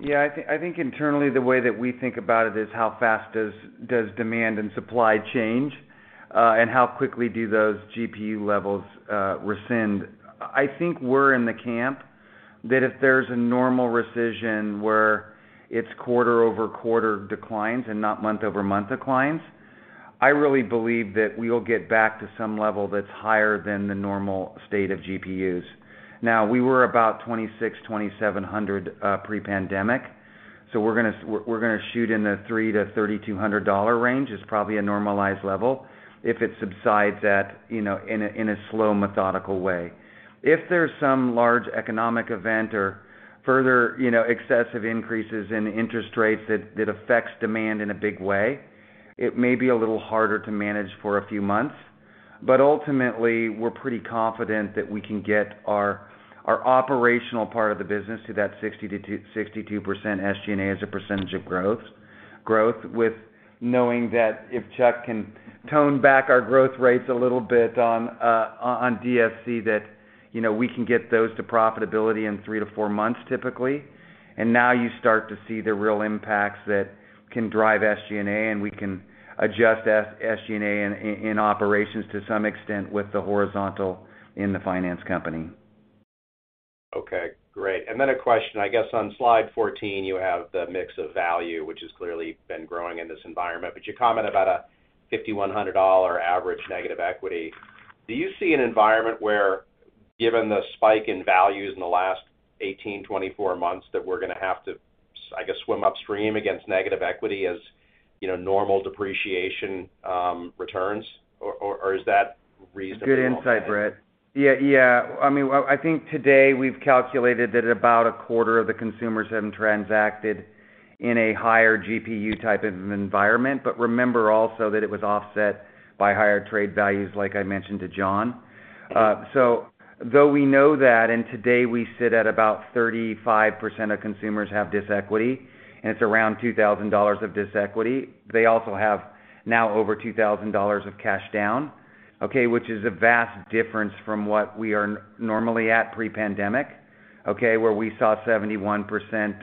C: Yeah. I think internally, the way that we think about it is how fast does demand and supply change, and how quickly do those GPU levels recede. I think we're in the camp that if there's a normal recession where it's quarter-over-quarter declines and not month-over-month declines, I really believe that we will get back to some level that's higher than the normal state of GPUs. Now, we were about $2,600-$2,700 pre-pandemic, so we're gonna shoot in the $3,000-$3,200 range is probably a normalized level if it subsides, you know, in a slow, methodical way. If there's some large economic event or further, you know, excessive increases in interest rates that affects demand in a big way, it may be a little harder to manage for a few months. Ultimately, we're pretty confident that we can get our operational part of the business to that 62% SG&A as a percentage of growth with knowing that if Chuck can tone back our growth rates a little bit on DFC, you know, we can get those to profitability in 3-4 months, typically. Now you start to see the real impacts that can drive SG&A, and we can adjust SG&A in operations to some extent with the horizontal in the finance company.
K: Okay. Great. Then a question. I guess on slide 14, you have the mix of value, which has clearly been growing in this environment. You comment about a $5,100 average negative equity. Do you see an environment where, given the spike in values in the last 18, 24 months, that we're gonna have to, I guess, swim upstream against negative equity as, you know, normal depreciation returns, or is that reasonable?
C: Good insight, Bret. Yeah. I think today we've calculated that about a quarter of the consumers have transacted in a higher GPU type of environment. Remember also that it was offset by higher trade values, like I mentioned to John. Though we know that, and today we sit at about 35% of consumers have this equity, and it's around $2,000 of this equity. They also have now over $2,000 of cash down, okay, which is a vast difference from what we are normally at pre-pandemic, okay, where we saw 71%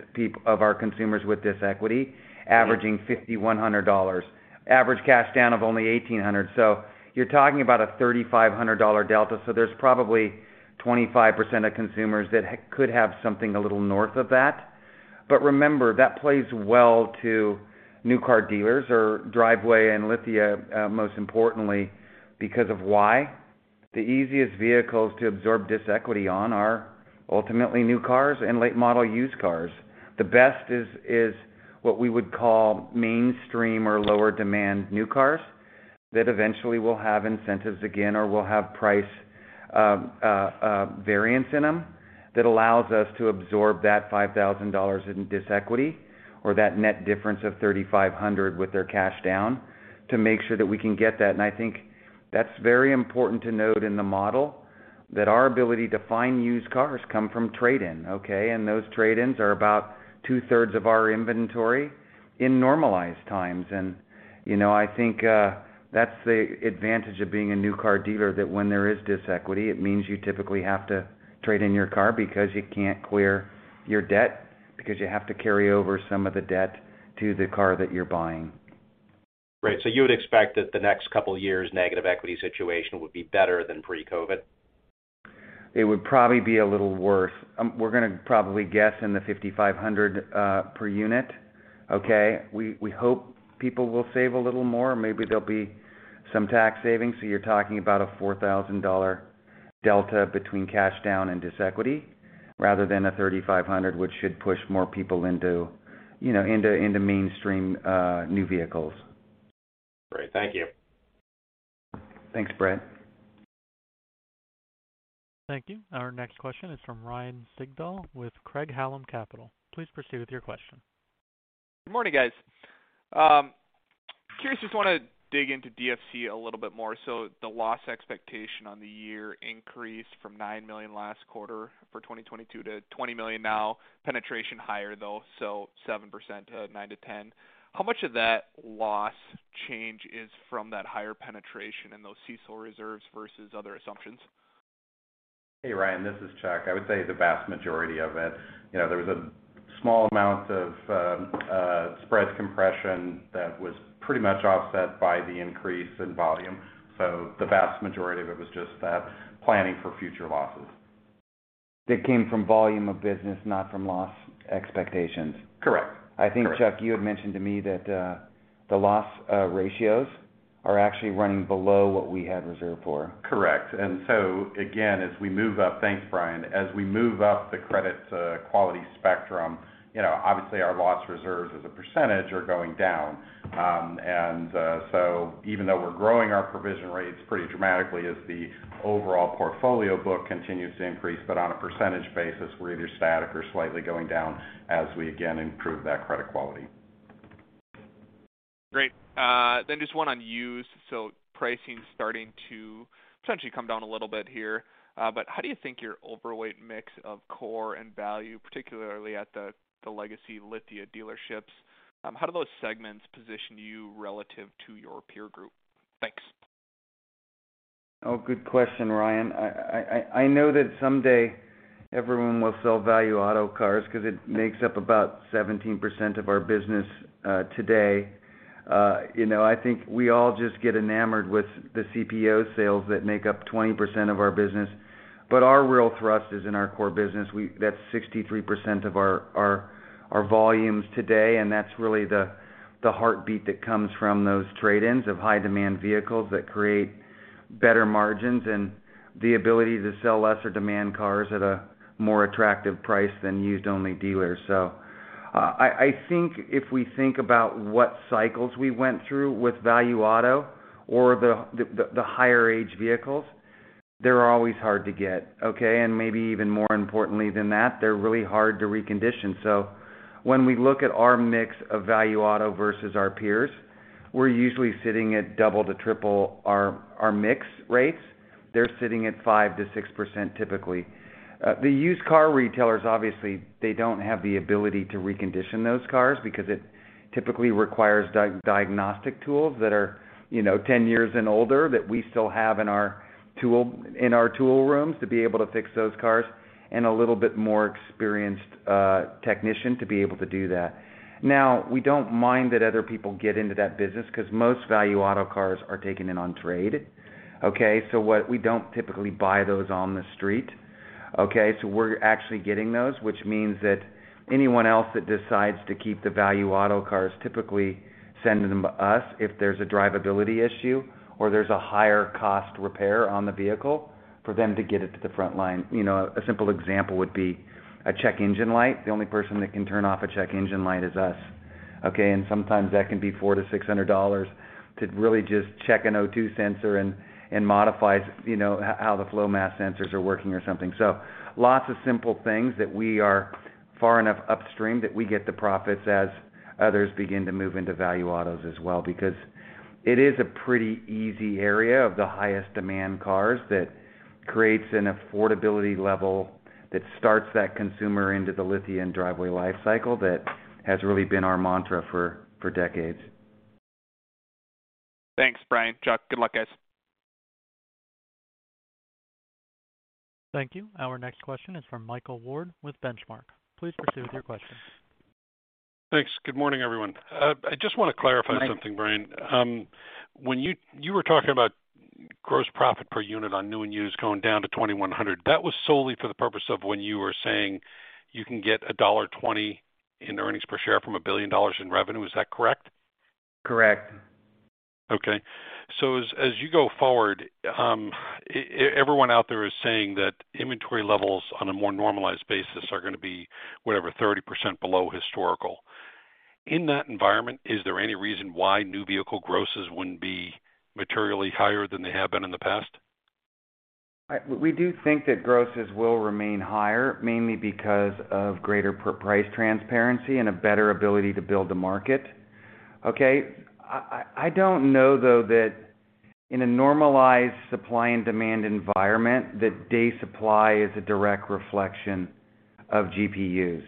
C: of our consumers with this equity averaging $5,100, average cash down of only $1,800. You're talking about a $3,500 delta, so there's probably 25% of consumers that could have something a little north of that. Remember, that plays well to new car dealers or Driveway and Lithia, most importantly because of why? The easiest vehicles to absorb this equity on are ultimately new cars and late model used cars. The best is what we would call mainstream or lower demand new cars that eventually will have incentives again or will have price variance in them that allows us to absorb that $5,000 in disequity or that net difference of $3,500 with their cash down to make sure that we can get that. I think that's very important to note in the model that our ability to find used cars come from trade-in, okay? Those trade-ins are about two-thirds of our inventory in normalized times. You know, I think that's the advantage of being a new car dealer, that when there is negative equity, it means you typically have to trade in your car because you can't clear your debt, because you have to carry over some of the debt to the car that you're buying.
K: Right. You would expect that the next couple of years, negative equity situation would be better than pre-COVID?
C: It would probably be a little worse. We're gonna probably guess in the 5,500 per unit. Okay. We hope people will save a little more. Maybe there'll be some tax savings. You're talking about a $4,000 delta between cash down and disequity rather than a $3,500, which should push more people into you know mainstream new vehicles.
K: Great. Thank you.
C: Thanks, Bret.
A: Thank you. Our next question is from Ryan Sigdahl with Craig-Hallum Capital Group. Please proceed with your question.
L: Good morning, guys. Curious, just wanna dig into DFC a little bit more. The loss expectation on the year increased from $9 million last quarter for 2022 to $20 million now. Penetration higher though, 7%, 9%-10%. How much of that loss change is from that higher penetration in those CECL reserves versus other assumptions?
D: Hey, Ryan, this is Chuck. I would say the vast majority of it. You know, there was a small amount of spread compression that was pretty much offset by the increase in volume. The vast majority of it was just that planning for future losses.
C: That came from volume of business, not from loss expectations.
D: Correct.
C: I think, Chuck, you had mentioned to me that, the loss, ratios are actually running below what we had reserved for.
D: Correct. Again, as we move up the credit quality spectrum, you know, obviously our loss reserves as a percentage are going down. Thanks, Bryan. Even though we're growing our provision rates pretty dramatically as the overall portfolio book continues to increase, but on a percentage basis, we're either static or slightly going down as we again improve that credit quality.
L: Great. Just one on used. Pricing's starting to potentially come down a little bit here. How do you think your overweight mix of core and value, particularly at the legacy Lithia dealerships, how do those segments position you relative to your peer group? Thanks.
C: Oh, good question, Ryan. I know that someday everyone will sell Value Auto cars because it makes up about 17% of our business today. You know, I think we all just get enamored with the CPO sales that make up 20% of our business. Our real thrust is in our core business. That's 63% of our volumes today, and that's really the heartbeat that comes from those trade-ins of high demand vehicles that create better margins and the ability to sell lesser demand cars at a more attractive price than used only dealers. I think if we think about what cycles we went through with Value Auto or the higher age vehicles, they're always hard to get, okay. Maybe even more importantly than that, they're really hard to recondition. When we look at our mix of Value Auto versus our peers, we're usually sitting at double to triple our mix rates. They're sitting at 5%-6% typically. The used car retailers, obviously, they don't have the ability to recondition those cars because it typically requires diagnostic tools that are, you know, 10 years and older that we still have in our tool rooms to be able to fix those cars and a little bit more experienced technician to be able to do that. We don't mind that other people get into that business 'cause most Value Auto cars are taken in on trade, okay? We don't typically buy those on the street, okay? We're actually getting those, which means that anyone else that decides to keep the Value Auto cars typically send them to us if there's a drivability issue or there's a higher cost repair on the vehicle for them to get it to the front line. You know, a simple example would be a check engine light. The only person that can turn off a check engine light is us, okay? Sometimes that can be $400-$600 to really just check an O2 sensor and modify, you know, how the flow mass sensors are working or something. Lots of simple things that we are far enough upstream that we get the profits as others begin to move into Value Autos as well, because it is a pretty easy area of the highest demand cars that creates an affordability level that starts that consumer into the Lithia and Driveway life cycle that has really been our mantra for decades.
L: Thanks, Bryan. Chuck, good luck, guys.
A: Thank you. Our next question is from Michael Ward with Benchmark. Please proceed with your question.
M: Thanks. Good morning, everyone. I just want to clarify something, Bryan. When you were talking about gross profit per unit on new and used going down to $2,100. That was solely for the purpose of when you were saying you can get $1.20 in earnings per share from $1 billion in revenue. Is that correct?
C: Correct.
M: Okay. As you go forward, everyone out there is saying that inventory levels on a more normalized basis are gonna be, whatever, 30% below historical. In that environment, is there any reason why new vehicle grosses wouldn't be materially higher than they have been in the past?
C: We do think that grosses will remain higher, mainly because of greater per price transparency and a better ability to build the market. Okay. I don't know, though, that in a normalized supply and demand environment, that day supply is a direct reflection of GPUs,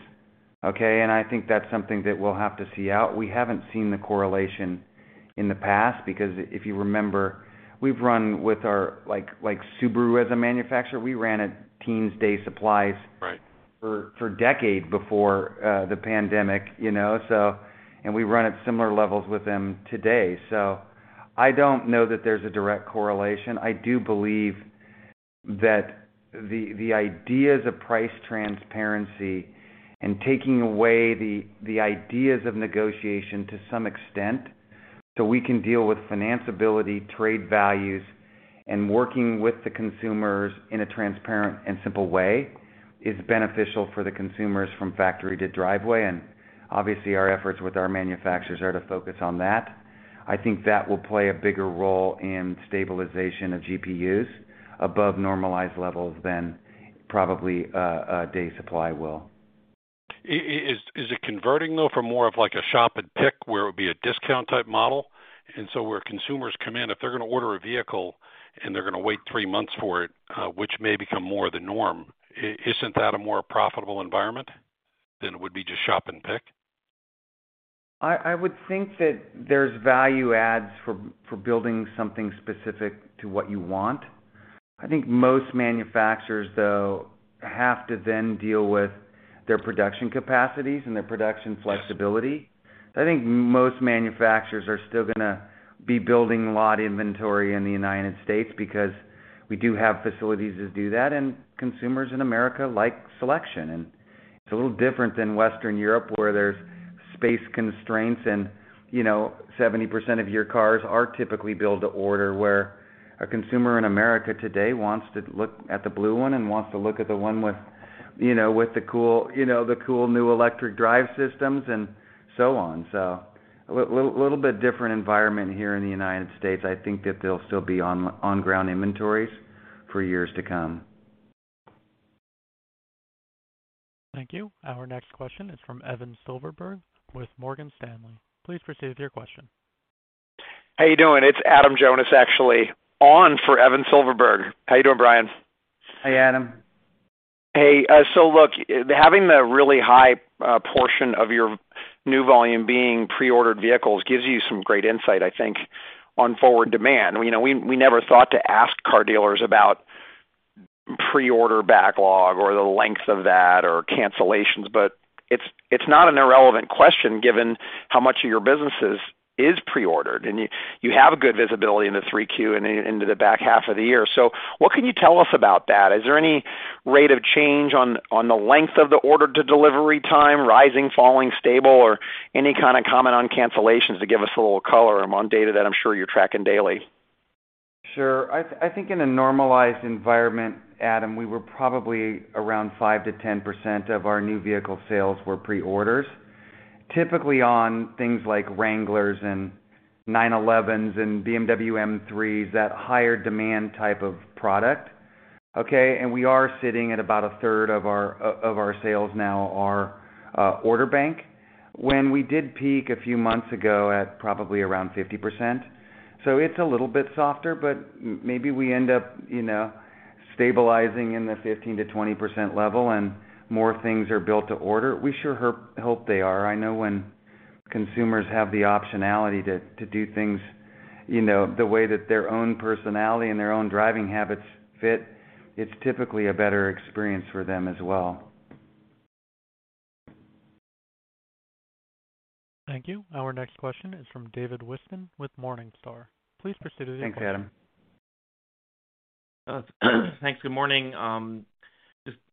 C: okay? I think that's something that we'll have to see out. We haven't seen the correlation in the past because if you remember, we've run with our like Subaru as a manufacturer. We ran at teens day supplies.
M: Right
C: For a decade before the pandemic, you know, we run at similar levels with them today. I don't know that there's a direct correlation. I do believe that the ideas of price transparency and taking away the ideas of negotiation to some extent, so we can deal with affordability, trade values, and working with the consumers in a transparent and simple way is beneficial for the consumers from factory to Driveway. Obviously, our efforts with our manufacturers are to focus on that. I think that will play a bigger role in stabilization of GPUs above normalized levels than probably a day supply will.
M: Is it converting though, from more of like a shop and pick where it would be a discount type model, and so where consumers come in, if they're gonna order a vehicle and they're gonna wait three months for it, which may become more the norm, isn't that a more profitable environment than it would be just shop and pick?
C: I would think that there's value adds for building something specific to what you want. I think most manufacturers, though, have to then deal with their production capacities and their production flexibility. I think most manufacturers are still gonna be building lots of inventory in the United States because we do have facilities to do that, and consumers in America like selection. It's a little different than Western Europe, where there's space constraints and, you know, 70% of your cars are typically build to order, where a consumer in America today wants to look at the blue one and wants to look at the one with, you know, with the cool, you know, the cool new electric drive systems and so on. A little bit different environment here in the United States. I think that they'll still be on ground inventories for years to come.
A: Thank you. Our next question is from Evan Silverberg with Morgan Stanley. Please proceed with your question.
N: How you doing? It's Adam Jonas, actually, on for Evan Silverberg. How you doing, Bryan?
C: Hey, Adam.
N: Hey, look, having the really high portion of your new volume being pre-ordered vehicles gives you some great insight, I think, on forward demand. You know, we never thought to ask car dealers about pre-order backlog or the length of that or cancellations, but it's not an irrelevant question given how much of your businesses is pre-ordered. You have a good visibility in the 3Q and into the back half of the year. What can you tell us about that? Is there any rate of change on the length of the order to delivery time, rising, falling, stable, or any kinda comment on cancellations to give us a little color among data that I'm sure you're tracking daily?
C: Sure. I think in a normalized environment, Adam, we were probably around 5%-10% of our new vehicle sales were pre-orders, typically on things like Wranglers and 911s and BMW M3, that higher demand type of product, okay? We are sitting at about a third of our sales now are order bank. When we did peak a few months ago at probably around 50%. It's a little bit softer, but maybe we end up, you know, stabilizing in the 15%-20% level and more things are built to order. We sure hope they are. I know when consumers have the optionality to do things, you know, the way that their own personality and their own driving habits fit, it's typically a better experience for them as well.
A: Thank you. Our next question is from David Whiston with Morningstar. Please proceed with your question.
C: Thanks, Adam.
O: Thanks. Good morning.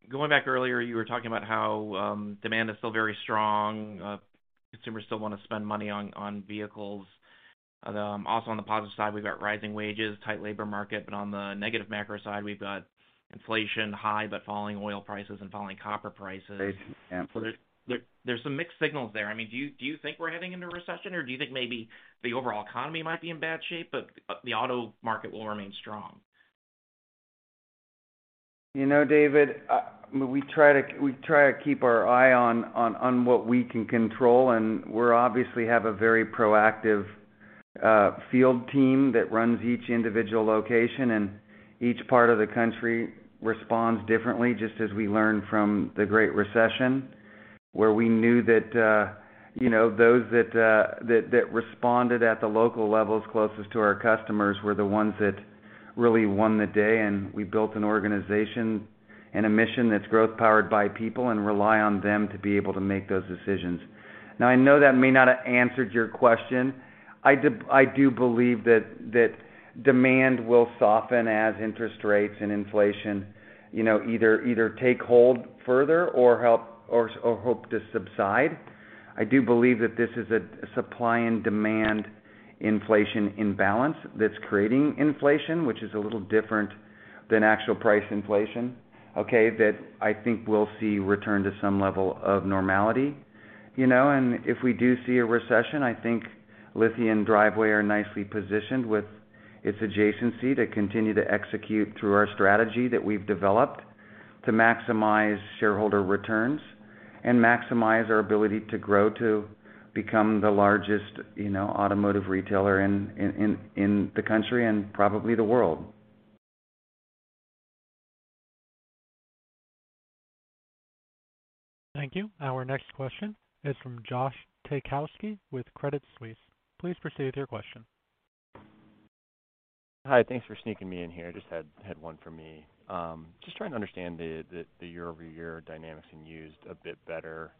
O: Just going back earlier, you were talking about how demand is still very strong, consumers still wanna spend money on vehicles. Also on the positive side, we've got rising wages, tight labor market, but on the negative macro side, we've got inflation high, but falling oil prices and falling copper prices.
C: Yeah.
O: There's some mixed signals there. I mean, do you think we're heading into recession, or do you think maybe the overall economy might be in bad shape, but the auto market will remain strong?
C: You know, David, we try to keep our eye on what we can control, and we obviously have a very proactive field team that runs each individual location and each part of the country responds differently, just as we learned from the Great Recession, where we knew that, you know, those that responded at the local levels closest to our customers were the ones that really won the day. We built an organization and a mission that's growth powered by people and rely on them to be able to make those decisions. Now, I know that may not have answered your question. I do believe that demand will soften as interest rates and inflation, you know, either take hold further or hope to subside. I do believe that this is a supply and demand inflation imbalance that's creating inflation, which is a little different than actual price inflation, okay, that I think we'll see return to some level of normality, you know. If we do see a recession, I think Lithia & Driveway are nicely positioned with its adjacency to continue to execute through our strategy that we've developed to maximize shareholder returns and maximize our ability to grow to become the largest, you know, automotive retailer in the country and probably the world.
A: Thank you. Our next question is from Josh ,Taykowski with Credit Suisse. Please proceed with your question.
P: Hi. Thanks for sneaking me in here. Just had one for me. Just trying to understand the year-over-year dynamics in used a bit better.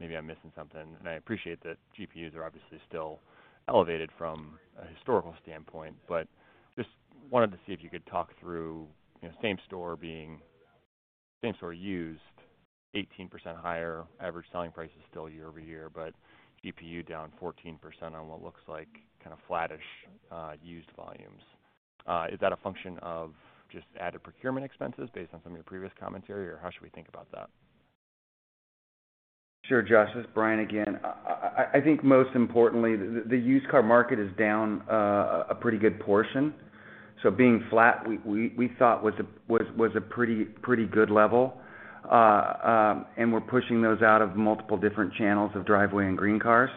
P: Maybe I'm missing something. I appreciate that GPUs are obviously still elevated from a historical standpoint, but just wanted to see if you could talk through same store used 18% higher, average selling price is still year-over-year, but GPU down 14% on what looks like kind of flattish used volumes. Is that a function of just added procurement expenses based on some of your previous commentary, or how should we think about that?
C: Sure, Josh, it's Bryan again. I think most importantly, the used car market is down a pretty good portion. Being flat, we thought was a pretty good level, and we're pushing those out of multiple different channels of Driveway and GreenCars.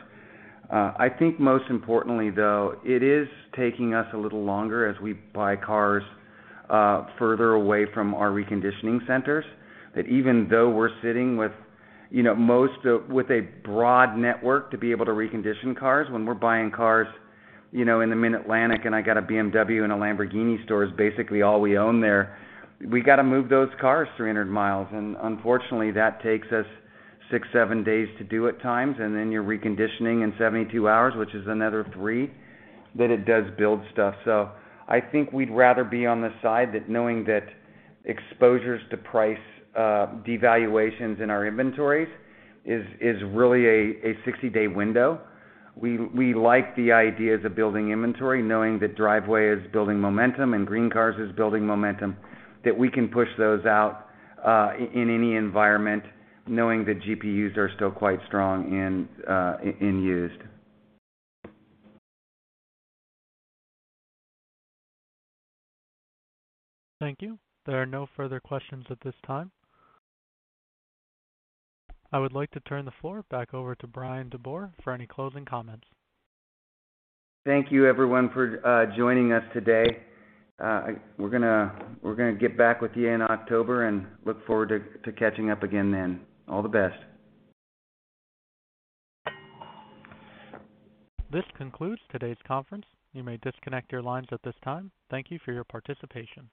C: I think most importantly, though, it is taking us a little longer as we buy cars further away from our reconditioning centers, that even though we're sitting with you know, with a broad network to be able to recondition cars when we're buying cars you know, in the Mid-Atlantic, and I got a BMW and a Lamborghini store is basically all we own there. We got to move those cars 300 miles. Unfortunately, that takes us 6-7 days to do at times. You're reconditioning in 72 hours, which is another three, that it does build stuff. I think we'd rather be on the side that knowing that exposures to price devaluations in our inventories is really a 60-day window. We like the ideas of building inventory, knowing that Driveway is building momentum and GreenCars is building momentum, that we can push those out in any environment knowing that GPUs are still quite strong in used.
A: Thank you. There are no further questions at this time. I would like to turn the floor back over to Bryan DeBoer for any closing comments.
C: Thank you, everyone for joining us today. We're gonna get back with you in October and look forward to catching up again then. All the best.
A: This concludes today's conference. You may disconnect your lines at this time. Thank you for your participation.